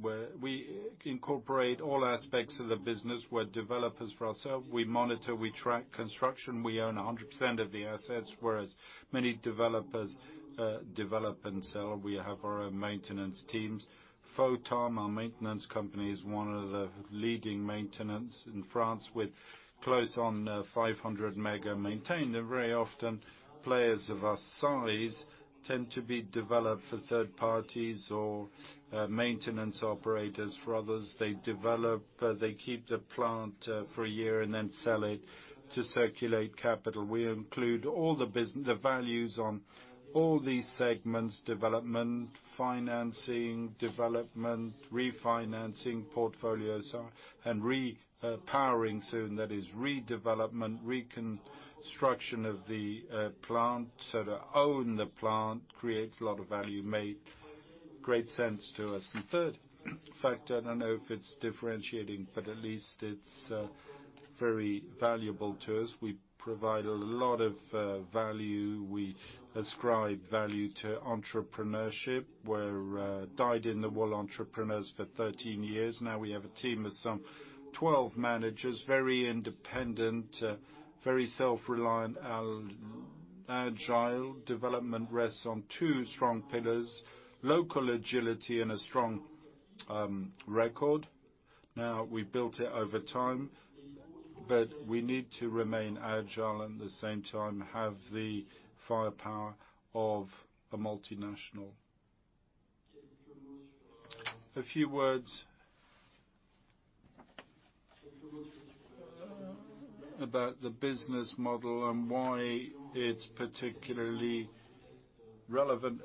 where we incorporate all aspects of the business. We're developers for ourselves. We monitor, we track construction. We own 100% of the assets, whereas many developers develop and sell. We have our own maintenance teams. Photom, our maintenance company, is one of the leading maintenance in France with close on 500 MW maintained. Very often players of our size tend to be developed for third parties or maintenance operators. For others, they develop, they keep the plant, for a year and then sell it to circulate capital. We include all the values on all these segments, development, financing, development, refinancing portfolios, and repowering soon. That is redevelopment, reconstruction of the plant. To own the plant creates a lot of value, made great sense to us. Third factor, I don't know if it's differentiating, but at least it's very valuable to us. We provide a lot of value. We ascribe value to entrepreneurship. We're dyed in the wool entrepreneurs for 13 years now. We have a team of some 12 managers, very independent, very self-reliant and agile. Development rests on two strong pillars, local agility and a strong record. Now, we built it over time, but we need to remain agile and at the same time have the firepower of a multinational. A few words about the business model and why it's particularly relevant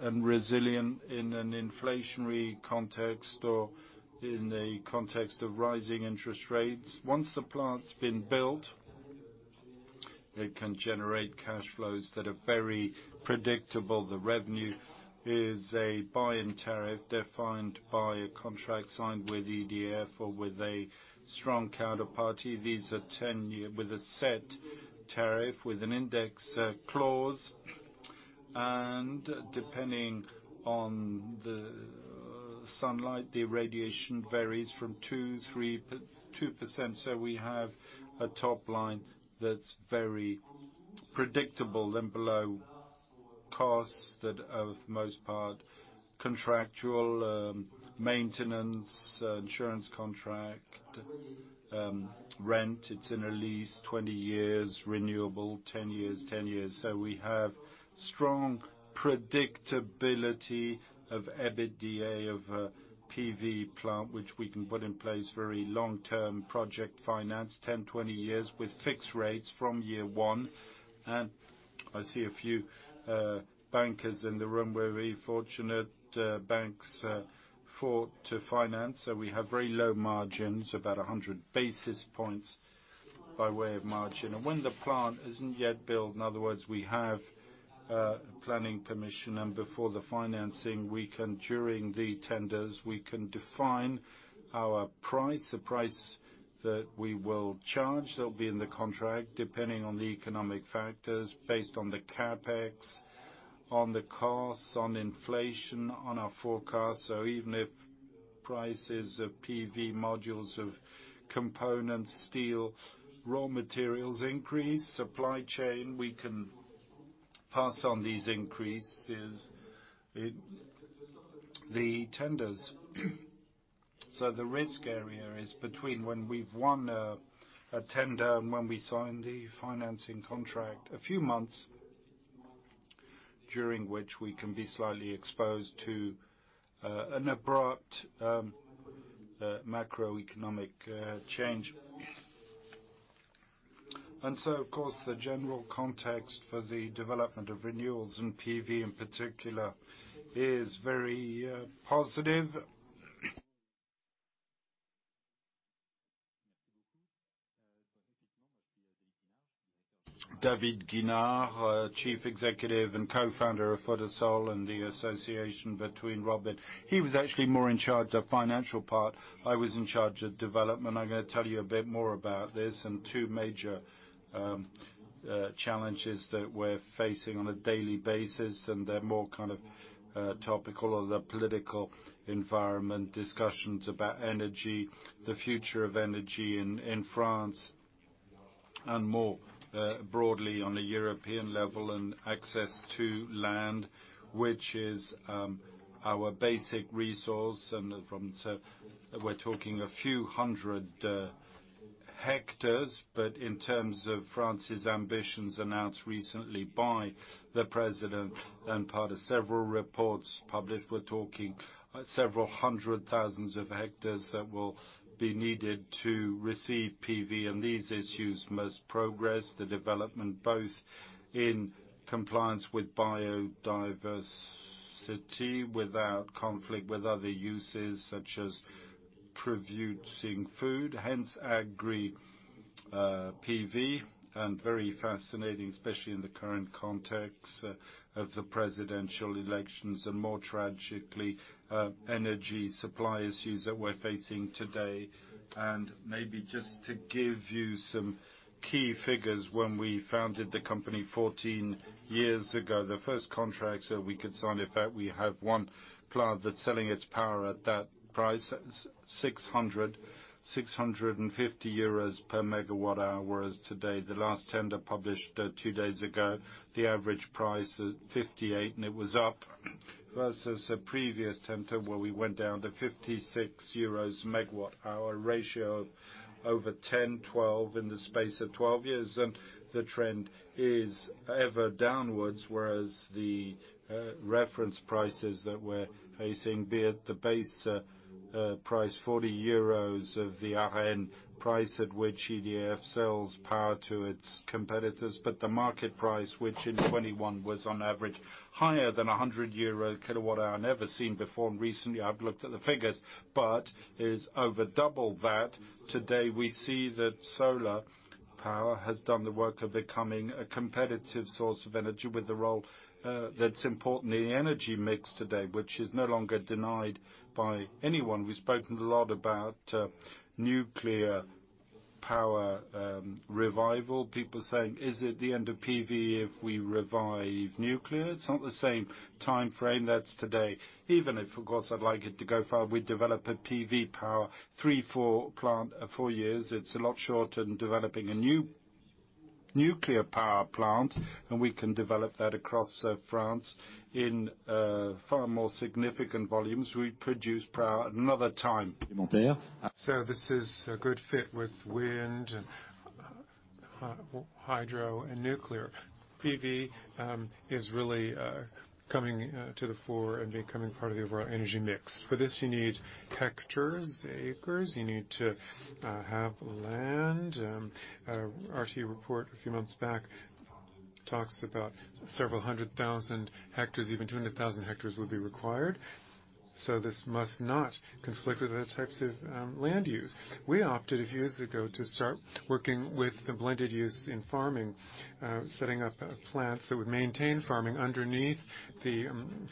and resilient in an inflationary context or in a context of rising interest rates. Once the plant's been built, it can generate cash flows that are very predictable. The revenue is a feed-in tariff defined by a contract signed with EDF or with a strong counterparty. These are 10-year with a set tariff, with an index clause. Depending on the sunlight, the radiation varies from 2%-3%. We have a top line that's very predictable. Then below, costs that are for the most part contractual, maintenance, insurance contract, rent, it's in a lease, 20 years, renewable 10 years, 10 years. We have strong predictability of EBITDA of a PV plant, which we can put in place very long-term project finance, 10, 20 years, with fixed rates from year one. I see a few bankers in the room. We're very fortunate, banks, for to finance. We have very low margins, about 100 basis points by way of margin. When the plant isn't yet built, in other words, we have planning permission and before the financing, we can, during the tenders, we can define our price, the price that we will charge, that'll be in the contract, depending on the economic factors, based on the CapEx, on the costs, on inflation, on our forecast. Even if prices of PV modules of components, steel, raw materials increase, supply chain, we can pass on these increases in the tenders. The risk area is between when we've won a tender and when we sign the financing contract. A few months during which we can be slightly exposed to an abrupt macroeconomic change. Of course, the general context for the development of renewables and PV in particular is very positive. David Guinard, Chief Executive and Co-founder of Photosol and the association between Robin. He was actually more in charge of financial part. I was in charge of development. I'm gonna tell you a bit more about this and two major challenges that we're facing on a daily basis, and they're more kind of topical of the political environment, discussions about energy, the future of energy in France, and more broadly on a European level, and access to land, which is our basic resource and from. We're talking a few hundred hectares. In terms of France's ambitions announced recently by the President and part of several reports published, we're talking several hundred thousand hectares that will be needed to receive PV. These issues must progress. The development both in compliance with biodiversity, without conflict with other uses such as producing food, hence agri PV, and very fascinating, especially in the current context of the presidential elections and, more tragically, energy supply issues that we're facing today. Maybe just to give you some key figures. When we founded the company 14 years ago, the first contracts that we could sign. In fact, we have one plant that's selling its power at that price, 650 euros per megawatt-hours. Whereas today, the last tender published, two days ago, the average price is 58, and it was up versus a previous tender where we went down to 56 euros per megawatt-hour ratio over 10, 12 in the space of 12 years. The trend is ever downwards, whereas the reference prices that we're facing, be it the base price, 40 euros of the wherein price at which EDF sells power to its competitors. The market price, which in 2021 was on average higher than 100 euro kWH, never seen before, and recently I've looked at the figures, but is over double that. Today, we see that solar power has done the work of becoming a competitive source of energy with the role that's important in the energy mix today, which is no longer denied by anyone. We've spoken a lot about nuclear power revival. People saying, "Is it the end of PV if we revive nuclear?" It's not the same timeframe. That's today. Even if, of course, I'd like it to go far. We develop a PV power three, four plant four years. It's a lot shorter than developing a new nuclear power plant, and we can develop that across France in far more significant volumes. We produce power another time. This is a good fit with wind, hydro, and nuclear. PV is really coming to the fore and becoming part of the overall energy mix. For this, you need hectares, acres. You need to have land. Our RTE report a few months back talks about several hundred thousand hectares. Even 200,000 hectares would be required. This must not conflict with other types of land use. We opted a few years ago to start working with the blended use in farming, setting up plants that would maintain farming underneath The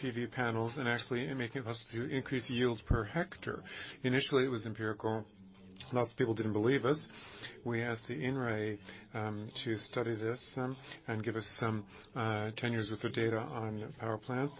PV panels and actually making it possible to increase yield per hectare. Initially, it was empirical. Lots of people didn't believe us. We asked the INRAE to study this and give us some tenures with the data on power plants.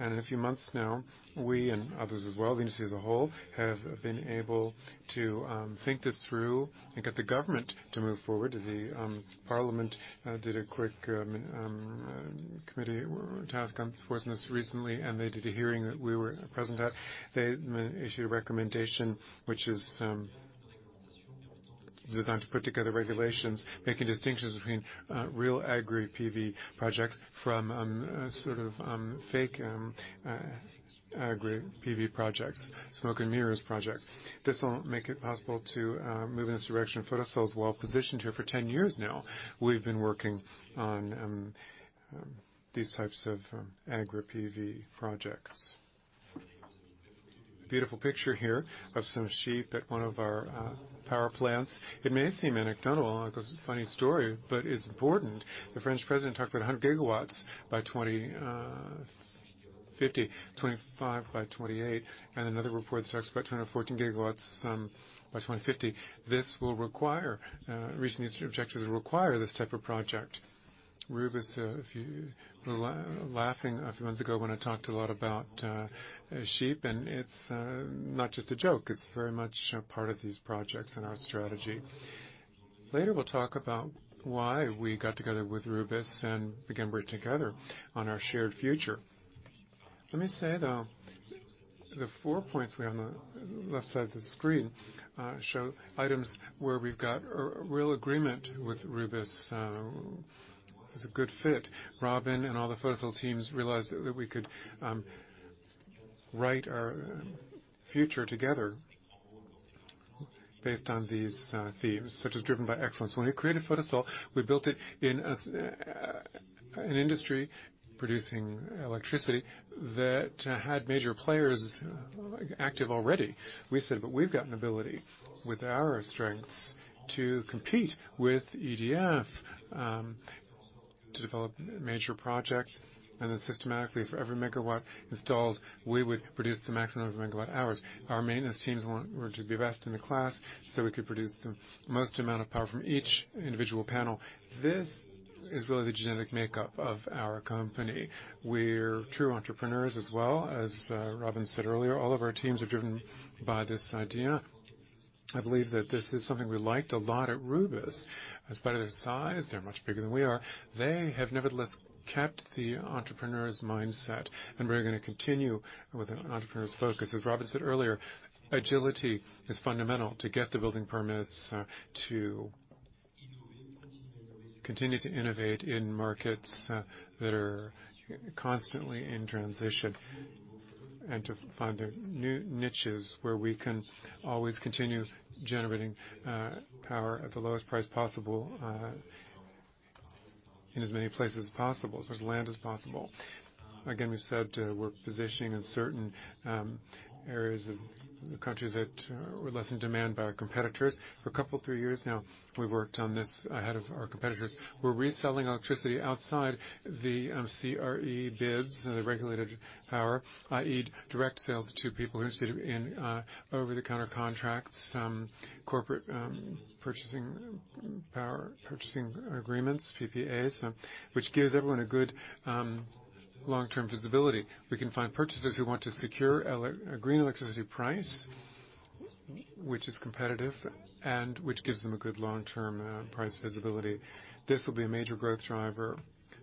In a few months now, we and others as well, the industry as a whole, have been able to think this through and get the government to move forward. The parliament did a quick committee task force on this recently, and they did a hearing that we were present at. They issued a recommendation which is designed to put together regulations, making distinctions between real agri PV projects from sort of fake agri PV projects, smoke and mirrors projects. This will make it possible to move in this direction. Photosol is well-positioned here. For 10 years now, we've been working on these types of agri PV projects. Beautiful picture here of some sheep at one of our power plants. It may seem anecdotal, like a funny story, but it's important. The French president talked about 100 gigawatts by 2050. 25 by 2028, and another report that talks about 214 GW by 2050. Reaching these objectives will require this type of project. Rubis. We were laughing a few months ago when I talked a lot about sheep and it's not just a joke. It's very much a part of these projects and our strategy. Later, we'll talk about why we got together with Rubis and began work together on our shared future. Let me say, though, the four points we have on the left side of the screen show items where we've got a real agreement with Rubis. It's a good fit. Robin and all the Photosol teams realized that we could write our future together based on these themes, such as Driven by Excellence. When we created Photosol, we built it in an industry producing electricity that had major players active already. We said, "But we've got an ability with our strengths to compete with EDF to develop major projects," and then systematically for every megawatt installed, we would produce the maximum of megawatt hours. Our maintenance teams were to be best in the class, so we could produce the most amount of power from each individual panel. This is really the genetic makeup of our company. We're true entrepreneurs as well. As Robin said earlier, all of our teams are driven by this idea. I believe that this is something we liked a lot at Rubis. In spite of their size, they're much bigger than we are, they have nevertheless kept the entrepreneur's mindset, and we're gonna continue with an entrepreneur's focus. As Robin said earlier, agility is fundamental to get the building permits, to continue to innovate in markets that are constantly in transition, and to find the new niches where we can always continue generating power at the lowest price possible in as many places as possible, as much land as possible. Again, we've said, we're positioning in certain areas of the countries that were less in demand by our competitors. For a couple, three years now, we've worked on this ahead of our competitors. We're reselling electricity outside the CRE bids, the regulated power, i.e., direct sales to people who are selling in over-the-counter contracts, corporate power purchase agreements, PPAs, which gives everyone a good long-term visibility. We can find purchasers who want to secure a green electricity price, which is competitive and which gives them a good long-term price visibility. This will be a major growth driver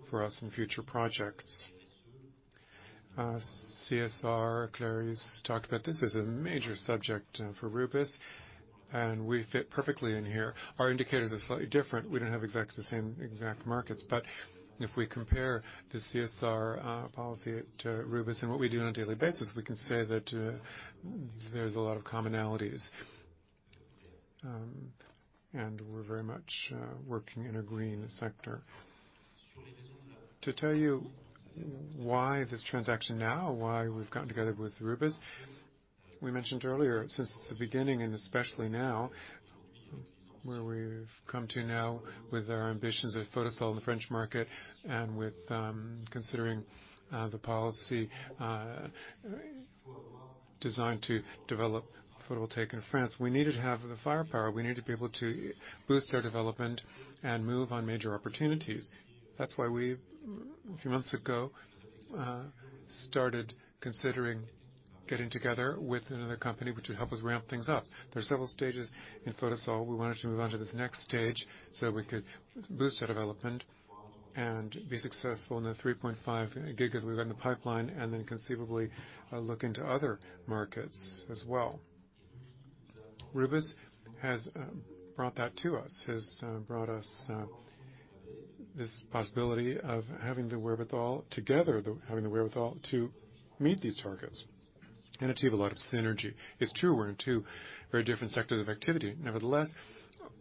for us in future projects. CSR, Clarisse talked about this, is a major subject for Rubis, and we fit perfectly in here. Our indicators are slightly different. We don't have exactly the same markets. If we compare the CSR policy to Rubis and what we do on a daily basis, we can say that there's a lot of commonalities. We're very much working in a green sector. To tell you why this transaction now, why we've gotten together with Rubis, we mentioned earlier, since the beginning and especially now, where we've come to now with our ambitions at Photosol in the French market and with considering the policy designed to develop photovoltaic in France, we needed to have the firepower. We needed to be able to boost our development and move on major opportunities. That's why we, a few months ago, started considering getting together with another company which would help us ramp things up. There's several stages in Photosol. We wanted to move on to this next stage so we could boost our development and be successful in the 3.5 gigas we've got in the pipeline, and then conceivably look into other markets as well. Rubis has brought that to us, has brought us this possibility of having the wherewithal together, having the wherewithal to meet these targets and achieve a lot of synergy. It's true we're in two very different sectors of activity. Nevertheless,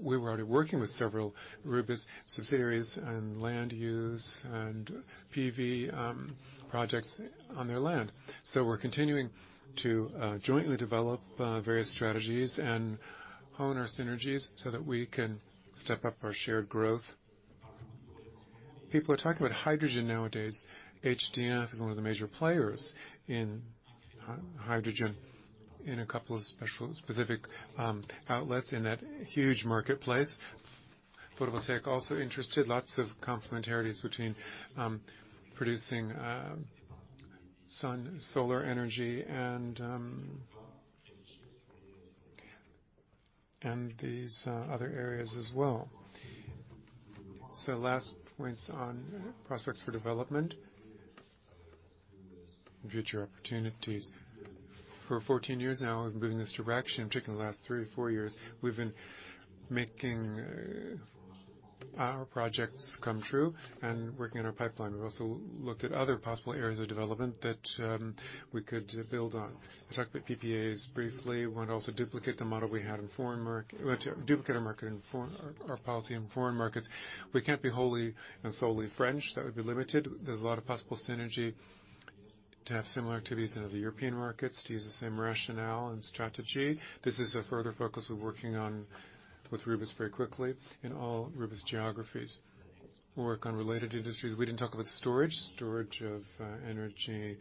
we were already working with several Rubis subsidiaries on land use and PV projects on their land. We're continuing to jointly develop various strategies and hone our synergies so that we can step up our shared growth. People are talking about hydrogen nowadays. HDF is one of the major players in hydrogen in a couple of specific outlets in that huge marketplace. Photovoltaic also interested, lots of complementarities between producing solar energy and these other areas as well. Last point's on prospects for development, future opportunities. For 14 years now, we've been in this direction, particularly the last three or four years, we've been making our projects come true and working on our pipeline. We've also looked at other possible areas of development that we could build on. I talked about PPAs briefly. We want to also duplicate the model we had in foreign market. Our policy in foreign markets. We can't be wholly and solely French. That would be limited. There's a lot of possible synergy to have similar activities in other European markets, to use the same rationale and strategy. This is a further focus we're working on with Rubis very quickly in all Rubis geographies. We work on related industries. We didn't talk about storage. Storage of energy,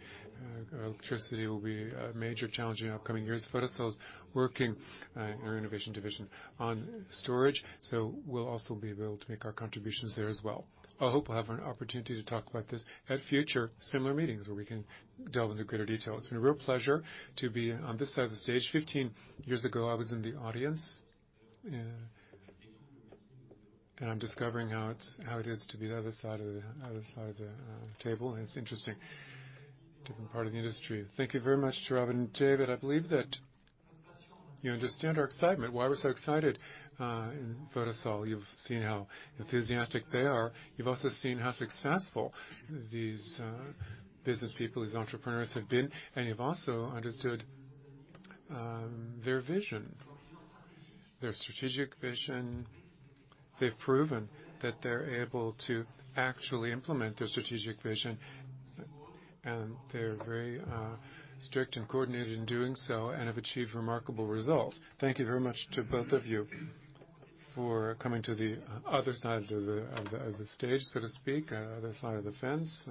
electricity will be a major challenge in the upcoming years. Photosol is working in our innovation division on storage, so we'll also be able to make our contributions there as well. I hope we'll have an opportunity to talk about this at future similar meetings where we can delve into greater detail. It's been a real pleasure to be on this side of the stage. 15 years ago, I was in the audience, and I'm discovering how it is to be the other side of the table, and it's interesting, different part of the industry. Thank you very much to Robin and David. I believe that you understand our excitement, why we're so excited in Photosol. You've seen how enthusiastic they are. You've also seen how successful these business people, these entrepreneurs have been, and you've also understood their vision, their strategic vision. They've proven that they're able to actually implement their strategic vision, and they're very strict and coordinated in doing so and have achieved remarkable results. Thank you very much to both of you for coming to the other side of the stage, so to speak, other side of the fence.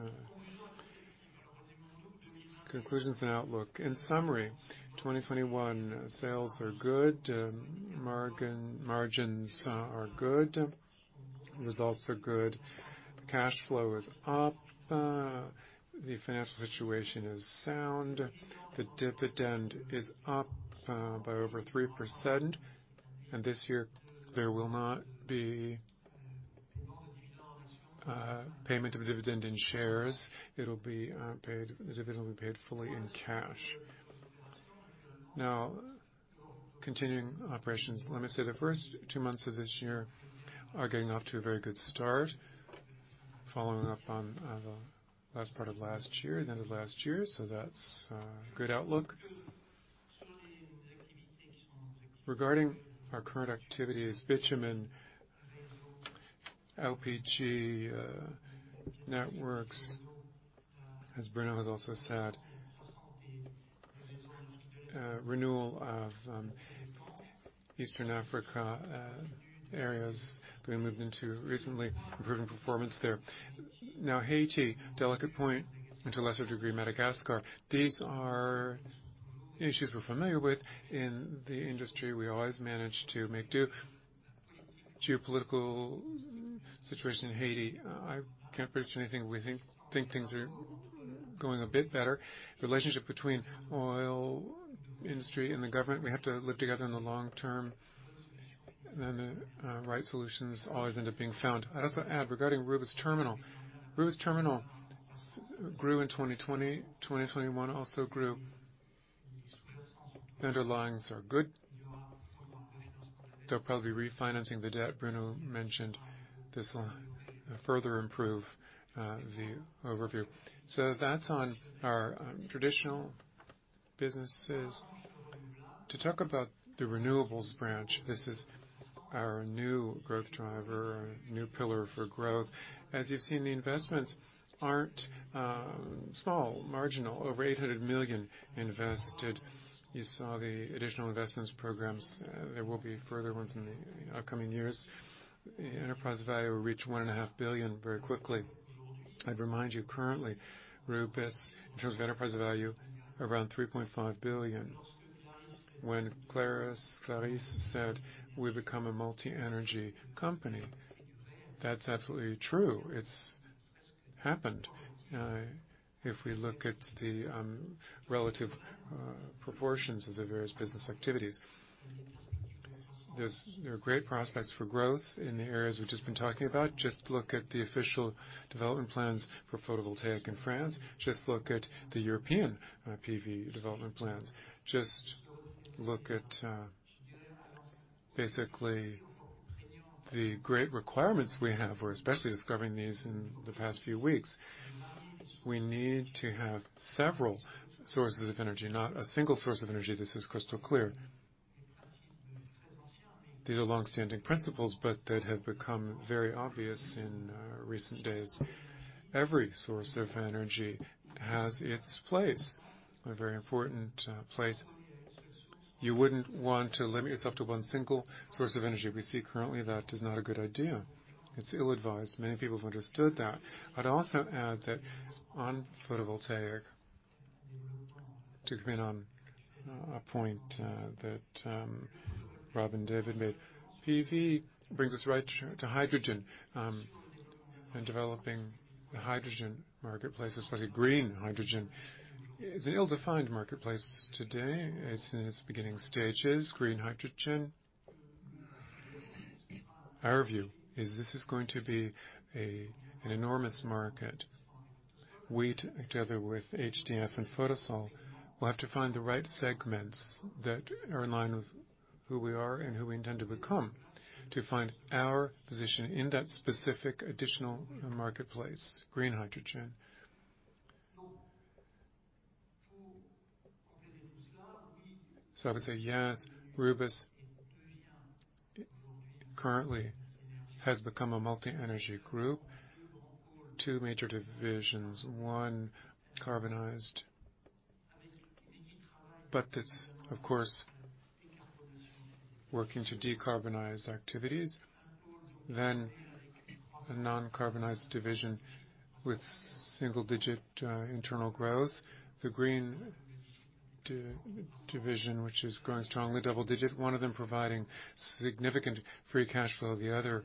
Conclusions and outlook. In summary, 2021 sales are good. Margins are good. Results are good. The cash flow is up. The financial situation is sound. The dividend is up by over 3%. This year there will not be payment of a dividend in shares. It'll be paid. The dividend will be paid fully in cash. Now, continuing operations. Let me say the first two months of this year are getting off to a very good start, following up on the last part of last year, the end of last year. That's a good outlook. Regarding our current activities, bitumen, LPG, networks, as Bruno has also said, renewal of Eastern Africa areas being moved into recently, improving performance there. Now, Haiti, delicate point, and to a lesser degree, Madagascar. These are issues we're familiar with in the industry. We always manage to make do. Geopolitical situation in Haiti, I can't predict anything. We think things are going a bit better. Relationship between oil industry and the government, we have to live together in the long term. The right solutions always end up being found. I'd also add regarding Rubis Terminal. Rubis Terminal grew in 2020. 2021 also grew. The underlyings are good. They'll probably be refinancing the debt. Bruno mentioned this will further improve the overview. That's on our traditional businesses. To talk about the renewables branch, this is our new growth driver, our new pillar for growth. As you've seen, the investments aren't small, marginal. Over 800 million invested. You saw the additional investments programs. There will be further ones in the upcoming years. Enterprise value will reach 1.5 billion very quickly. I'd remind you currently, Rubis, in terms of enterprise value, around 3.5 billion. When Clarisse said we've become a multi-energy company, that's absolutely true. It's happened. If we look at the relative proportions of the various business activities, there are great prospects for growth in the areas we've just been talking about. Just look at the official development plans for photovoltaic in France. Just look at the European PV development plans. Just look at basically the great requirements we have. We're especially discovering these in the past few weeks. We need to have several sources of energy, not a single source of energy. This is crystal clear. These are long-standing principles, but that have become very obvious in recent days. Every source of energy has its place, a very important place. You wouldn't want to limit yourself to one single source of energy. We see currently that is not a good idea. It's ill-advised. Many people have understood that. I'd also add that on photovoltaic, to come in on a point that Rob and David made. PV brings us right to hydrogen and developing the hydrogen marketplace, especially green hydrogen. It's an ill-defined marketplace today. It's in its beginning stages, green hydrogen. Our view is this is going to be an enormous market. We, together with HDF and Photosol, will have to find the right segments that are in line with who we are and who we intend to become to find our position in that specific additional marketplace, green hydrogen. I would say yes, Rubis currently has become a multi-energy group. Two major divisions, one carbonized, but it's of course working to decarbonize activities. Then a non-carbonized division with single-digit internal growth. The green division, which is growing strongly double-digit, one of them providing significant free cash flow, the other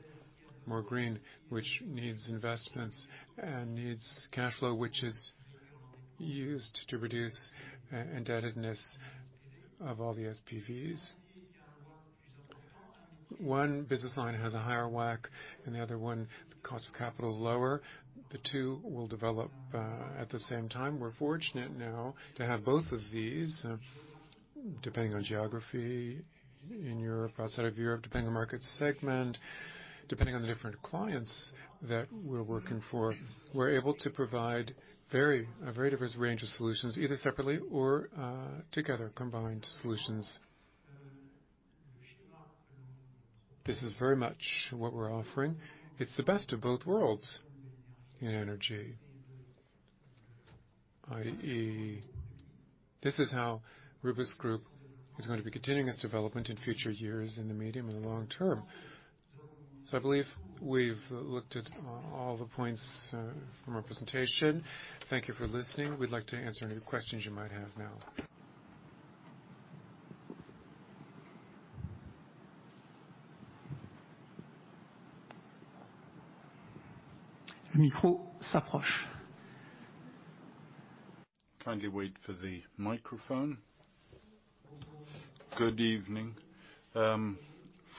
more green, which needs investments and needs cash flow, which is used to reduce indebtedness of all the SPVs. One business line has a higher WACC, and the other one, the cost of capital is lower. The two will develop at the same time. We're fortunate now to have both of these, depending on geography in Europe, outside of Europe, depending on market segment, depending on the different clients that we're working for, we're able to provide a very diverse range of solutions, either separately or together, combined solutions. This is very much what we're offering. It's the best of both worlds in energy, i.e., this is how Rubis Group is going to be continuing its development in future years in the medium and long term. I believe we've looked at all the points from our presentation. Thank you for listening. We'd like to answer any questions you might have now. Good evening.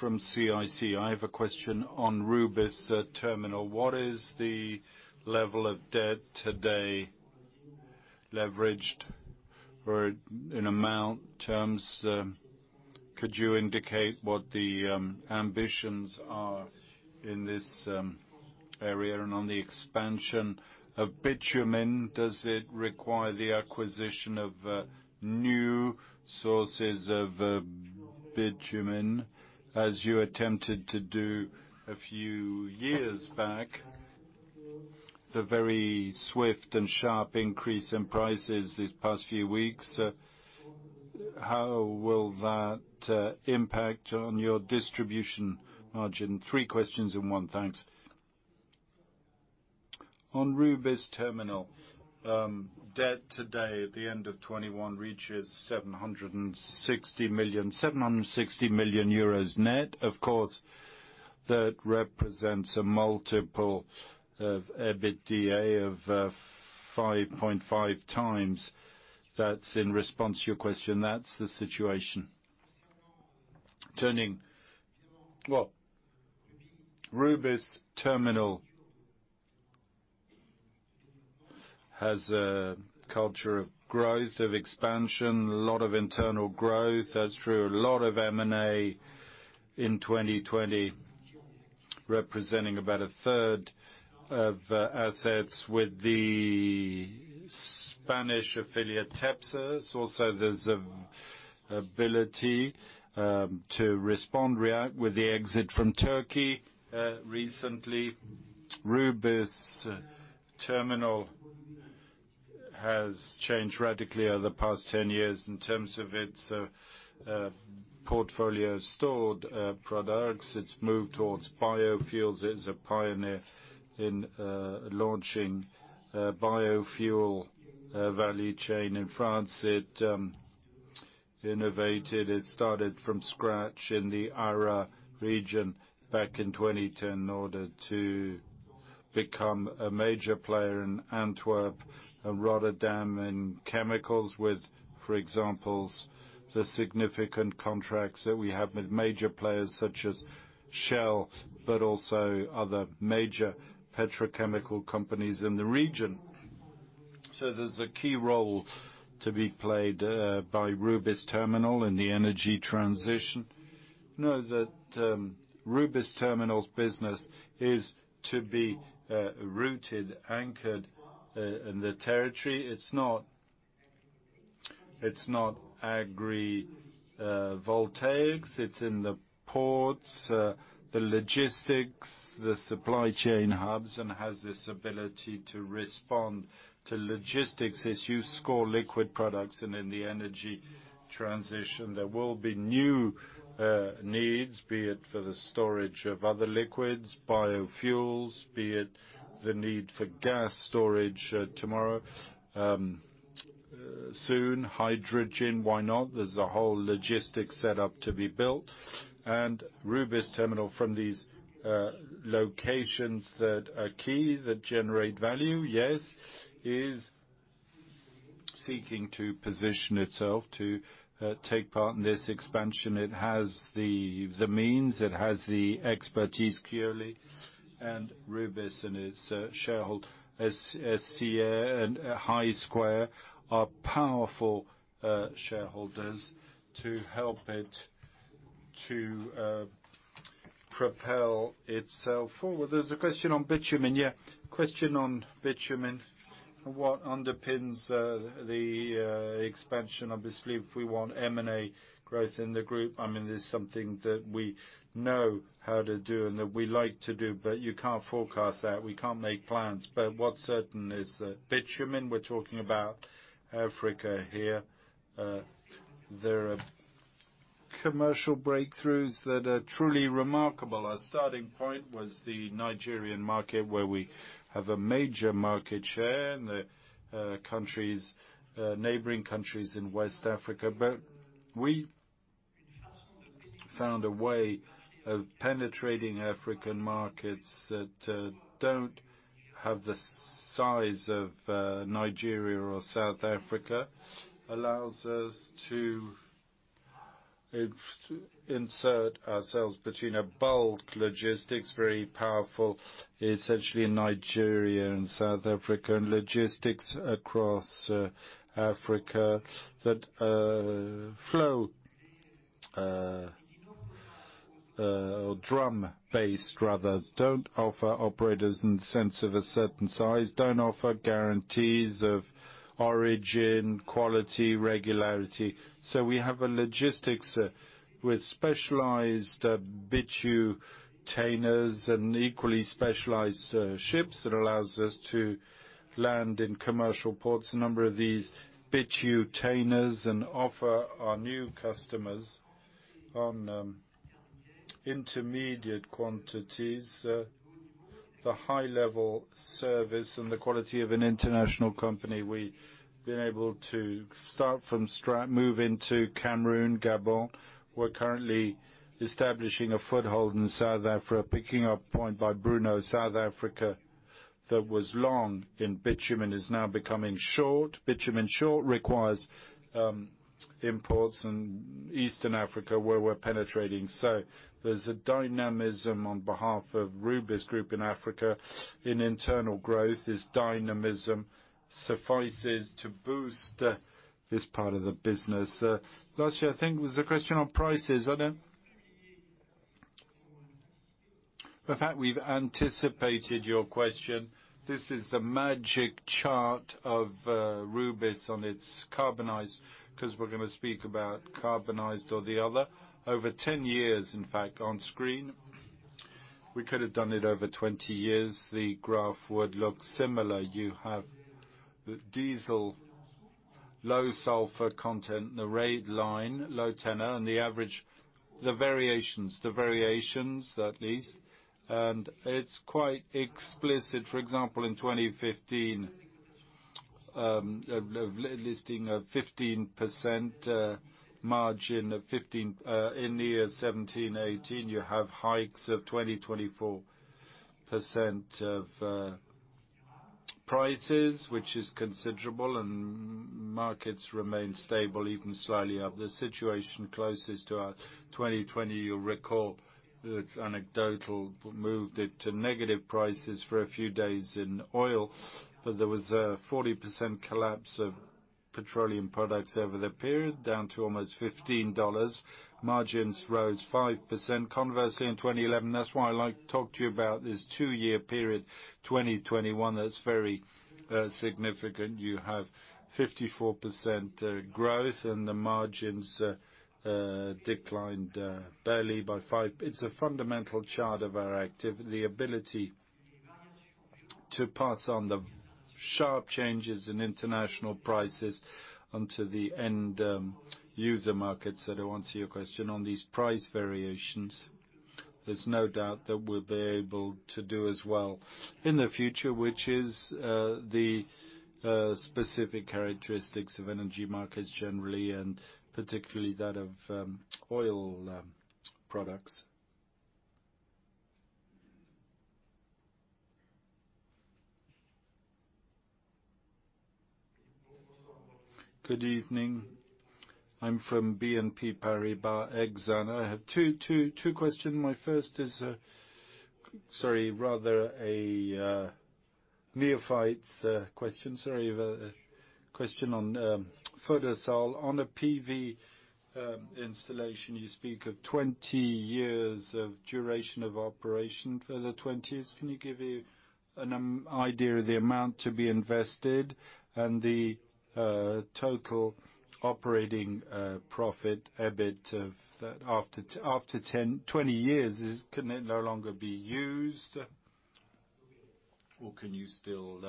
From CIC, I have a question on Rubis Terminal. What is the level of debt today leveraged or in amount terms, could you indicate what the ambitions are in this area? On the expansion of bitumen, does it require the acquisition of new sources of bitumen, as you attempted to do a few years back? The very swift and sharp increase in prices these past few weeks, how will that impact on your distribution margin? Three questions in one. Thanks. On Rubis Terminal, debt today at the end of 2021 reaches 760 million net. Of course, that represents a multiple of EBITDA of 5.5x. That's in response to your question. That's the situation. Turning. Well, Rubis Terminal has a culture of growth, of expansion, a lot of internal growth. That's true. A lot of M&A in 2020, representing about 1/3 of assets with the Spanish affiliate, Tepsa. Also, there's an ability to respond, react with the exit from Turkey recently. Rubis Terminal has changed radically over the past 10 years in terms of its portfolio stored products. It's moved towards biofuels. It's a pioneer in launching a biofuel value chain in France. It innovated. It started from scratch in the Ara region back in 2010 in order to become a major player in Antwerp and Rotterdam in chemicals with, for example, the significant contracts that we have with major players such as Shell, but also other major petrochemical companies in the region. There's a key role to be played by Rubis Terminal in the energy transition. Note that Rubis Terminal's business is to be rooted, anchored in the territory. It's not agrivoltaics, it's in the ports, the logistics, the supply chain hubs, and has this ability to respond to logistics as you store liquid products. In the energy transition, there will be new needs, be it for the storage of other liquids, biofuels, be it the need for gas storage tomorrow. Soon, hydrogen, why not? There's a whole logistics set up to be built. Rubis Terminal from these locations that are key, that generate value, yes, is seeking to position itself to take part in this expansion. It has the means, it has the expertise, clearly. Rubis and its shareholder, SCA and I Squared, are powerful shareholders to help it propel itself forward. There's a question on bitumen. Yeah, question on bitumen. What underpins the expansion? Obviously, if we want M&A growth in the group, I mean, it's something that we know how to do and that we like to do, but you can't forecast that. We can't make plans. What's certain is that bitumen, we're talking about Africa here. There are commercial breakthroughs that are truly remarkable. Our starting point was the Nigerian market, where we have a major market share in the neighboring countries in West Africa. We found a way of penetrating African markets that don't have the size of Nigeria or South Africa, allows us to insert ourselves between a bulk logistics, very powerful, essentially in Nigeria and South Africa, and logistics across Africa that flow drum-based rather, don't offer operators in the sense of a certain size, don't offer guarantees of origin, quality, regularity. We have a logistics with specialized bitutainers and equally specialized ships that allows us to land in commercial ports, a number of these bitutainers, and offer our new customers on intermediate quantities, the high level service and the quality of an international company. We've been able to move into Cameroon, Gabon. We're currently establishing a foothold in South Africa. Picking up point by Bruno, South Africa, that was long in bitumen, is now becoming short. Bitumen shortage requires imports in Eastern Africa, where we're penetrating. There's a dynamism on behalf of Rubis Group in Africa. In internal growth, this dynamism suffices to boost this part of the business. Last year, I think it was a question on prices. In fact, we've anticipated your question. This is the magic chart of Rubis on its carbon intensity, 'cause we're gonna speak about carbon intensity or the other, over 10 years, in fact, on screen. We could have done it over 20 years. The graph would look similar. You have diesel, low sulfur content, the red line, low tenor, and the average, the variations. The variations, at least. It's quite explicit. For example, in 2015, listing a 15% margin of 15% in 2017, 2018, you have hikes of 20%-24% of prices, which is considerable, and markets remain stable, even slightly up. The situation closest to 2020, you'll recall, it's anecdotal, but moved it to negative prices for a few days in oil. There was a 40% collapse of petroleum products over the period, down to almost $15. Margins rose 5%. Conversely, in 2011, that's why I like to talk to you about this two-year period, 2021, that's very significant. You have 54% growth, and the margins declined barely by 5%. It's a fundamental chart of our activity, ability to pass on the sharp changes in international prices onto the end user markets. To answer your question on these price variations, there's no doubt that we'll be able to do as well in the future, which is the specific characteristics of energy markets generally, and particularly that of oil products. Good evening. I'm from BNP Paribas Exane. I have two questions. My first is, sorry, rather a neophyte's question. Sorry, the question on Photosol. On the PV installation, you speak of 20 years of duration of operation. For the 20s, can you give an idea of the amount to be invested and the total operating profit, EBIT of that after, 20 years? Can it no longer be used, or can you still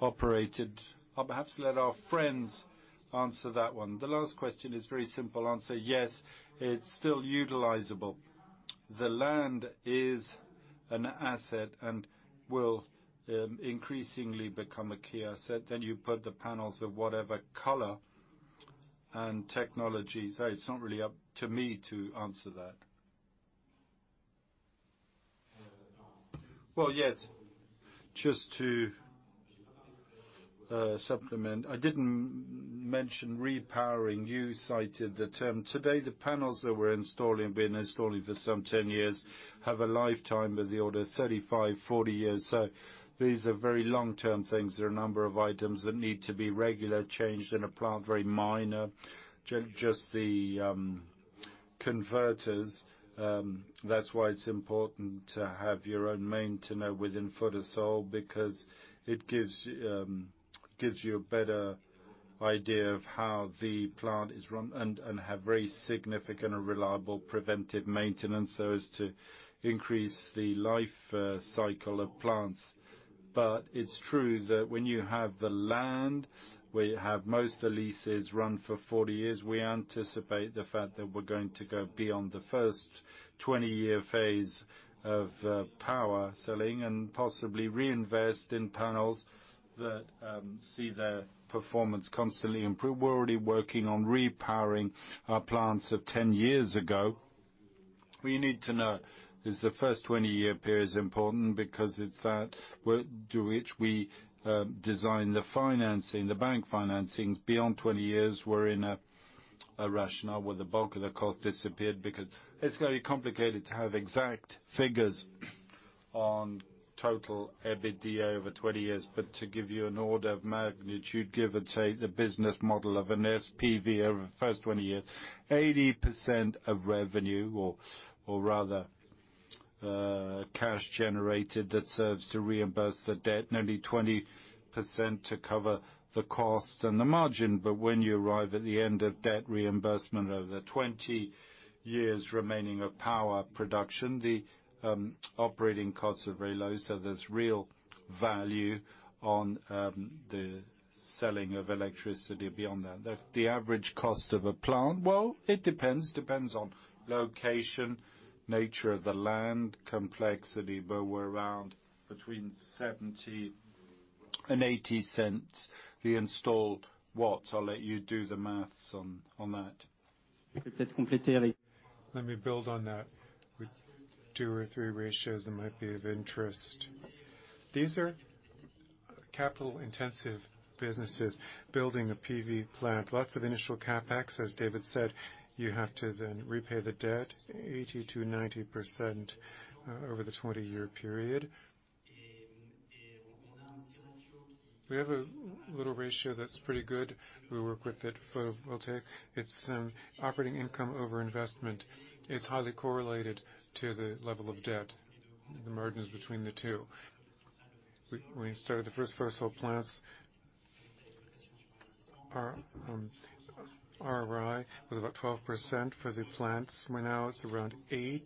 operate it? I'll perhaps let our friends answer that one. The last question is very simple. Answer, yes, it's still utilizable. The land is an asset and will increasingly become a key asset. Then you put the panels of whatever color and technology. It's not really up to me to answer that. Well, yes, just to supplement, I didn't mention repowering. You cited the term. Today the panels that we're installing, have been installing for some 10 years, have a lifetime of the order of 35, 40 years. So these are very long-term things. There are a number of items that need to be regularly changed in a plant, very minor. Just the converters, that's why it's important to have your own maintainer within Photosol, because it gives you a better idea of how the plant is run and have very significant and reliable preventive maintenance so as to increase the life cycle of plants. But it's true that when you have the land, we have most of the leases run for 40 years. We anticipate the fact that we're going to go beyond the first 20-year phase of power selling and possibly reinvest in panels that see their performance constantly improve. We're already working on repowering our plants of 10 years ago. What we need to know is the first 20-year period is important because it's that to which we design the financing, the bank financings. Beyond 20 years, we're in a rationale where the bulk of the cost disappeared because it's very complicated to have exact figures on total EBITDA over 20 years. To give you an order of magnitude, give or take the business model of an SPV over the first 20 years, 80% of revenue or rather cash generated that serves to reimburse the debt and only 20% to cover the cost and the margin. When you arrive at the end of debt reimbursement over the 20 years remaining of power production, the operating costs are very low, so there's real value on the selling of electricity beyond that. The average cost of a plant? Well, it depends. Depends on location, nature of the land, complexity, but we're around between 0.70 and 0.80 per installed watt. I'll let you do the math on that. Let me build on that with two or three ratios that might be of interest. These are capital-intensive businesses. Building a PV plant, lots of initial CapEx, as David said. You have to then repay the debt 80%-90% over the 20-year period. We have a little ratio that's pretty good. We work with it for Photosol. It's operating income over investment. It's highly correlated to the level of debt, the margins between the two. We started the first Photosol plants, our ROI was about 12% for the plants. Now it's around 8%.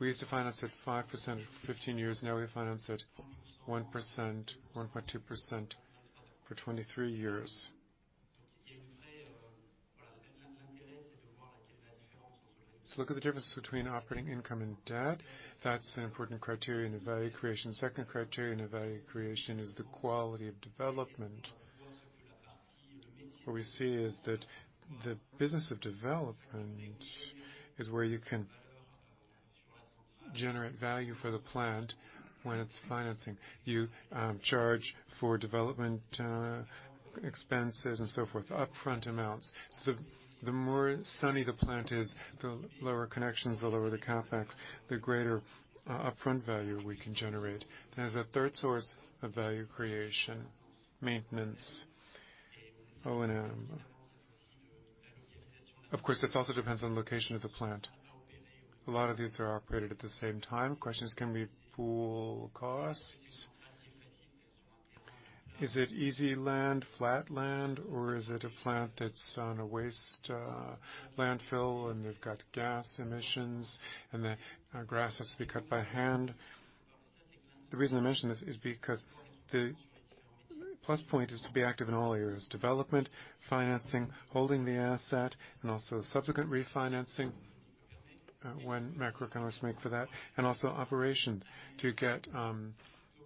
We used to finance at 5% 15 years. Now we finance at 1%, 1.2% for 23 years. Look at the difference between operating income and debt. That's an important criterion in value creation. Second criterion in value creation is the quality of development. What we see is that the business of development is where you can generate value for the plant when it's financing. You charge for development expenses and so forth, upfront amounts. The more sunny the plant is, the lower connections, the lower the CapEx, the greater upfront value we can generate. There's a third source of value creation, maintenance, O&M. Of course, this also depends on location of the plant. A lot of these are operated at the same time. Question is can we pool costs? Is it easy land, flat land, or is it a plant that's on a waste landfill and they've got gas emissions and the grass has to be cut by hand? The reason I mention this is because the plus point is to be active in all areas, development, financing, holding the asset, and also subsequent refinancing, when macroeconomics make for that, and also operation to get,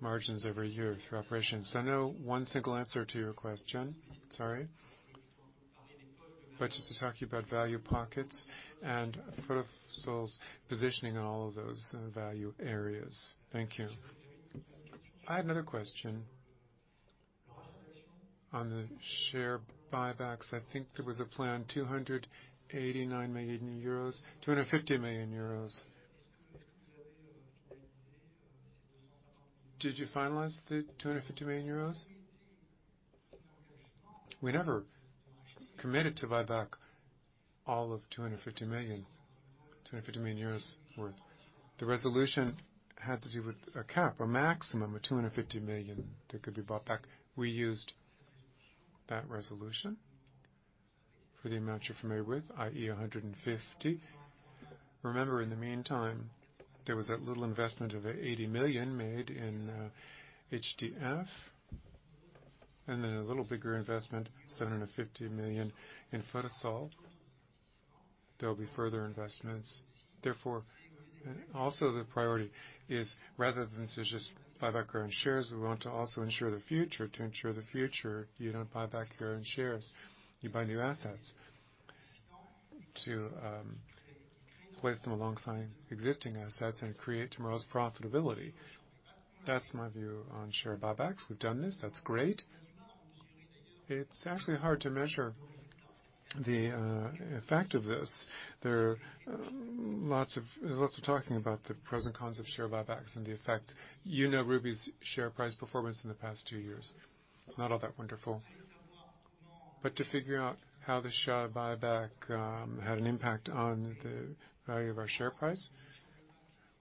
margins every year through operations. No one single answer to your question, sorry. Just to talk to you about value pockets and Photosol's positioning in all of those, value areas. Thank you. I have another question on the share buybacks. I think there was a plan, 289 million euros, 250 million euros. Did you finalize the 250 million euros? We never committed to buy back all of 250 million worth. The resolution had to do with a cap, a maximum of 250 million that could be bought back. We used that resolution for the amount you're familiar with, i.e., 150 million. Remember, in the meantime, there was that little investment of 80 million made in HDF, and then a little bigger investment, 750 million in Photosol. There'll be further investments. Therefore, the priority is rather than to just buy back our own shares, we want to also ensure the future. To ensure the future, you don't buy back your own shares, you buy new assets to place them alongside existing assets and create tomorrow's profitability. That's my view on share buybacks. We've done this, that's great. It's actually hard to measure the effect of this. There's lots of talking about the pros and cons of share buybacks and the effect. You know Rubis' share price performance in the past two years. Not all that wonderful. To figure out how the share buyback had an impact on the value of our share price.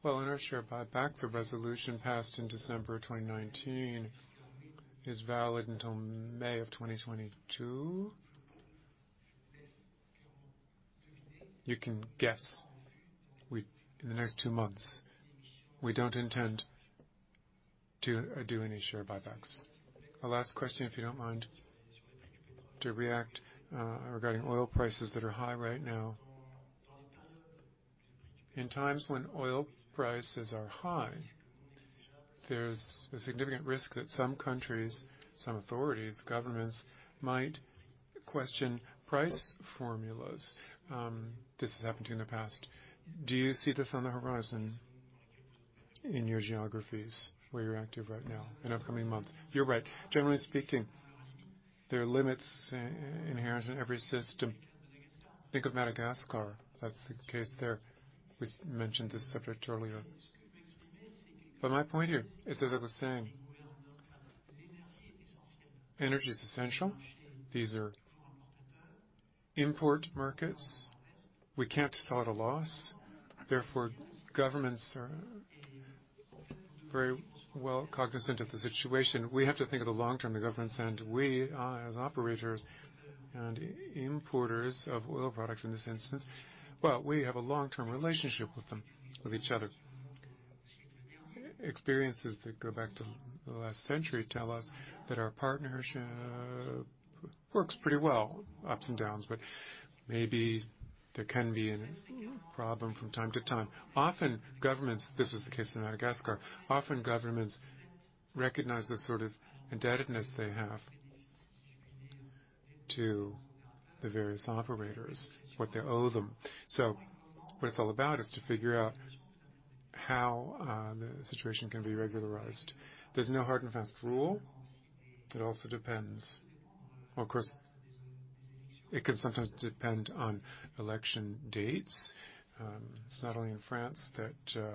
Well, in our share buyback, the resolution passed in December 2019 is valid until May 2022. You can guess in the next two months, we don't intend to do any share buybacks. A last question, if you don't mind. To react, regarding oil prices that are high right now. In times when oil prices are high, there's a significant risk that some countries, some authorities, governments, might question price formulas. This has happened in the past. Do you see this on the horizon in your geographies where you're active right now, in upcoming months? You're right. Generally speaking, there are limits inherent in every system. Think of Madagascar. That's the case there. We mentioned this subject earlier. My point here is, as I was saying, energy is essential. These are import markets. We can't sell at a loss. Therefore, governments are very well cognizant of the situation. We have to think of the long-term, the governments and we, as operators and importers of oil products in this instance. Well, we have a long-term relationship with them, with each other. Experiences that go back to the last century tell us that our partnership works pretty well, ups and downs, but maybe there can be a problem from time to time. Often governments, this was the case in Madagascar, recognize the sort of indebtedness they have to the various operators, what they owe them. What it's all about is to figure out how the situation can be regularized. There's no hard and fast rule. It also depends. Well, of course, it can sometimes depend on election dates. It's not only in France that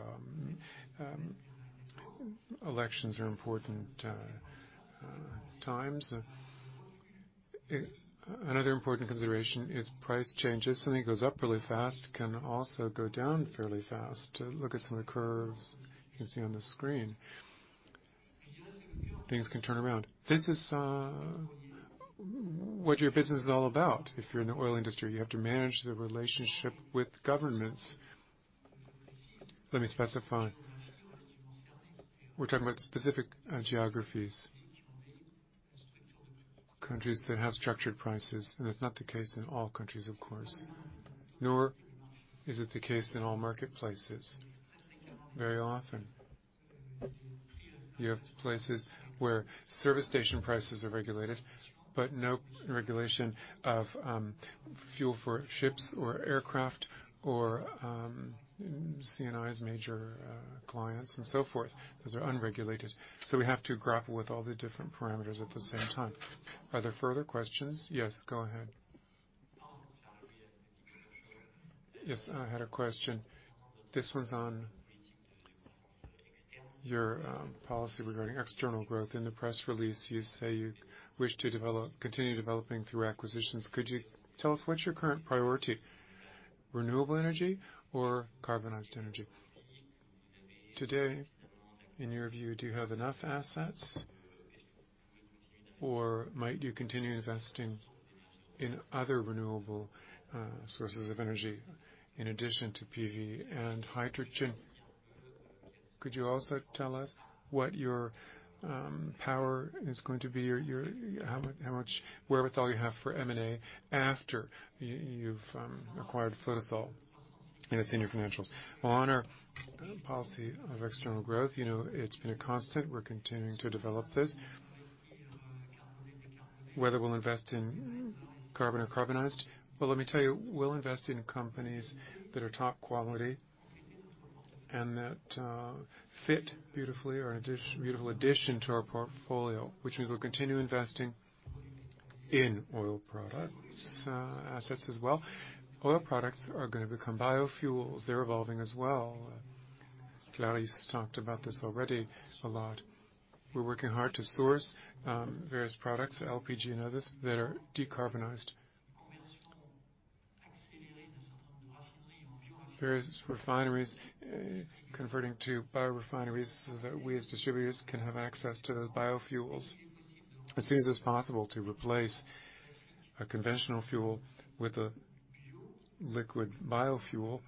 elections are important times. Another important consideration is price changes. Something goes up really fast, can also go down fairly fast. Look at some of the curves you can see on the screen. Things can turn around. This is what your business is all about. If you're in the oil industry, you have to manage the relationship with governments. Let me specify. We're talking about specific geographies. Countries that have structured prices, and that's not the case in all countries, of course, nor is it the case in all marketplaces. Very often, you have places where service station prices are regulated, but no regulation of fuel for ships or aircraft or CNI's major clients and so forth, because they're unregulated. We have to grapple with all the different parameters at the same time. Are there further questions? Yes, go ahead. Yes, I had a question. This one's on your policy regarding external growth. In the press release, you say you wish to continue developing through acquisitions. Could you tell us what's your current priority, renewable energy or carbonized energy? Today, in your view, do you have enough assets or might you continue investing in other renewable sources of energy in addition to PV and hydrogen? Could you also tell us what your power is going to be or your how much wherewithal you have for M&A after you've acquired Photosol, and it's in your financials. Well, on our policy of external growth, you know, it's been a constant. We're continuing to develop this. Whether we'll invest in carbon or decarbonized. Well, let me tell you, we'll invest in companies that are top quality and that fit beautifully or are a beautiful addition to our portfolio, which means we'll continue investing in oil products assets as well. Oil products are gonna become biofuels, they're evolving as well. Clarisse talked about this already a lot. We're working hard to source various products, LPG and others, that are decarbonized. Various refineries converting to biorefineries so that we as distributors can have access to those biofuels as soon as possible to replace a conventional fuel with a liquid biofuel.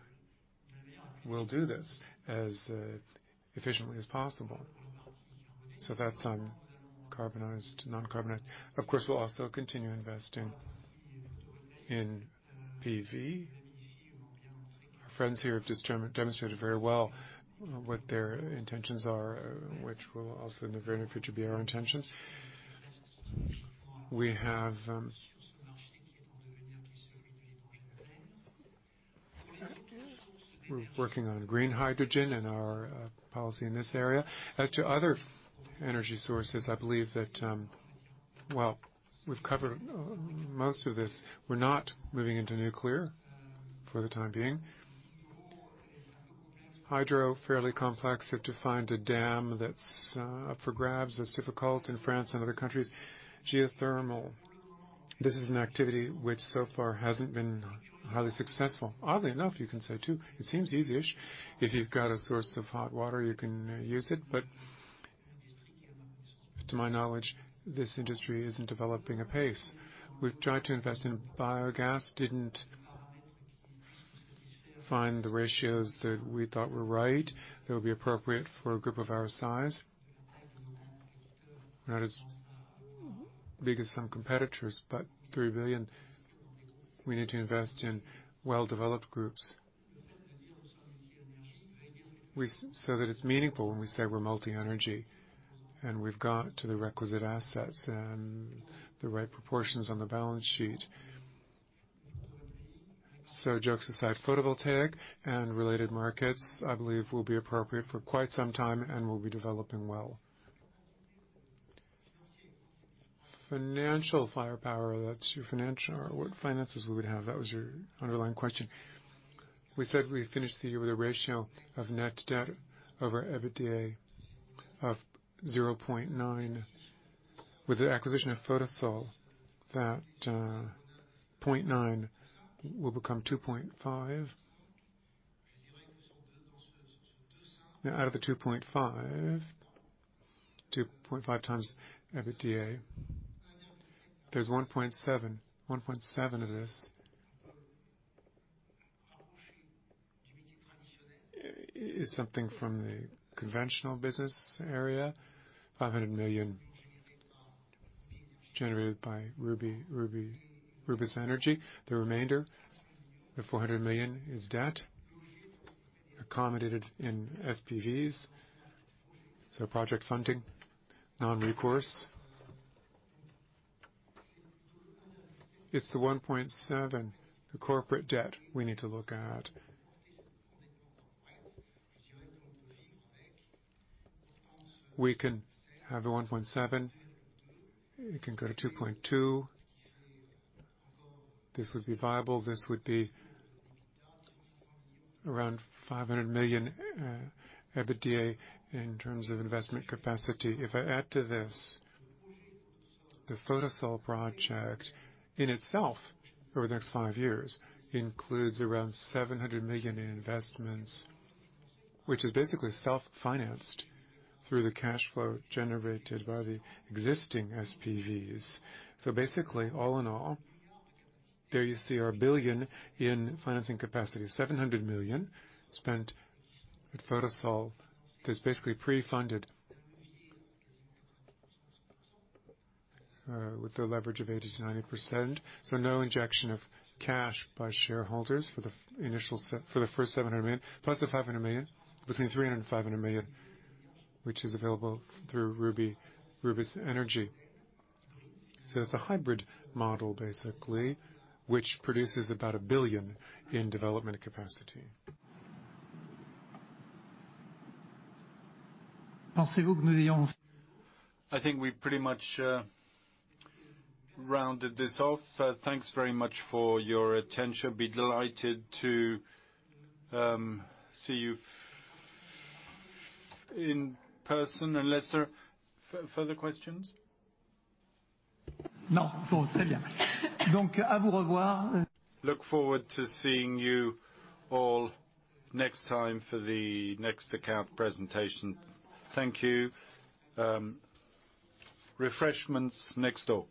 We'll do this as efficiently as possible. That's on carbonized to non-carbonized. Of course, we'll also continue investing in PV. Our friends here have just demonstrated very well what their intentions are, which will also in the very near future be our intentions. We have. We're working on green hydrogen and our policy in this area. As to other energy sources, I believe that, well, we've covered most of this. We're not moving into nuclear for the time being. Hydro, fairly complex, have to find a dam that's up for grabs. It's difficult in France and other countries. Geothermal. This is an activity which so far hasn't been highly successful. Oddly enough, you can say too, it seems easy-ish. If you've got a source of hot water, you can use it. To my knowledge, this industry isn't developing apace. We've tried to invest in biogas. Didn't find the ratios that we thought were right, that would be appropriate for a group of our size. Not as big as some competitors, but 3 billion. We need to invest in well-developed groups. That it's meaningful when we say we're multi-energy, and we've got to the requisite assets and the right proportions on the balance sheet. Jokes aside, photovoltaic and related markets, I believe will be appropriate for quite some time and will be developing well. Financial firepower, that's your financial. What finances we would have, that was your underlying question. We said we finished the year with a ratio of net debt over EBITDA of 0.9x. With the acquisition of Photosol, that 0.9x will become 2.5x. Now, out of the 2.5x, 2.5x EBITDA, there's 1.7x. 1.7x of this is something from the conventional business area, 500 million generated by Rubis Énergie. The remainder, the 400 million, is debt accommodated in SPVs, so project funding, non-recourse. It's the 1.7x, the corporate debt we need to look at. We can have the 1.7x, it can go to 2.2x. This would be viable. This would be around 500 million EBITDA in terms of investment capacity. If I add to this, the Photosol project in itself over the next five years includes around 700 million in investments, which is basically self-financed through the cash flow generated by the existing SPVs. Basically, all in all, there you see our 1 billion in financing capacity. 700 million spent at Photosol that's basically pre-funded with the leverage of 80%-90%. No injection of cash by shareholders for the initial. For the first 700 million, plus the 500 million, between 300 million and 500 million, which is available through Rubis Énergie. It's a hybrid model, basically, which produces about a 1 billion in development capacity. I think we pretty much rounded this off. Thanks very much for your attention. I'd be delighted to see you in person unless there are further questions. Look forward to seeing you all next time for the next account presentation. Thank you. Refreshments next door.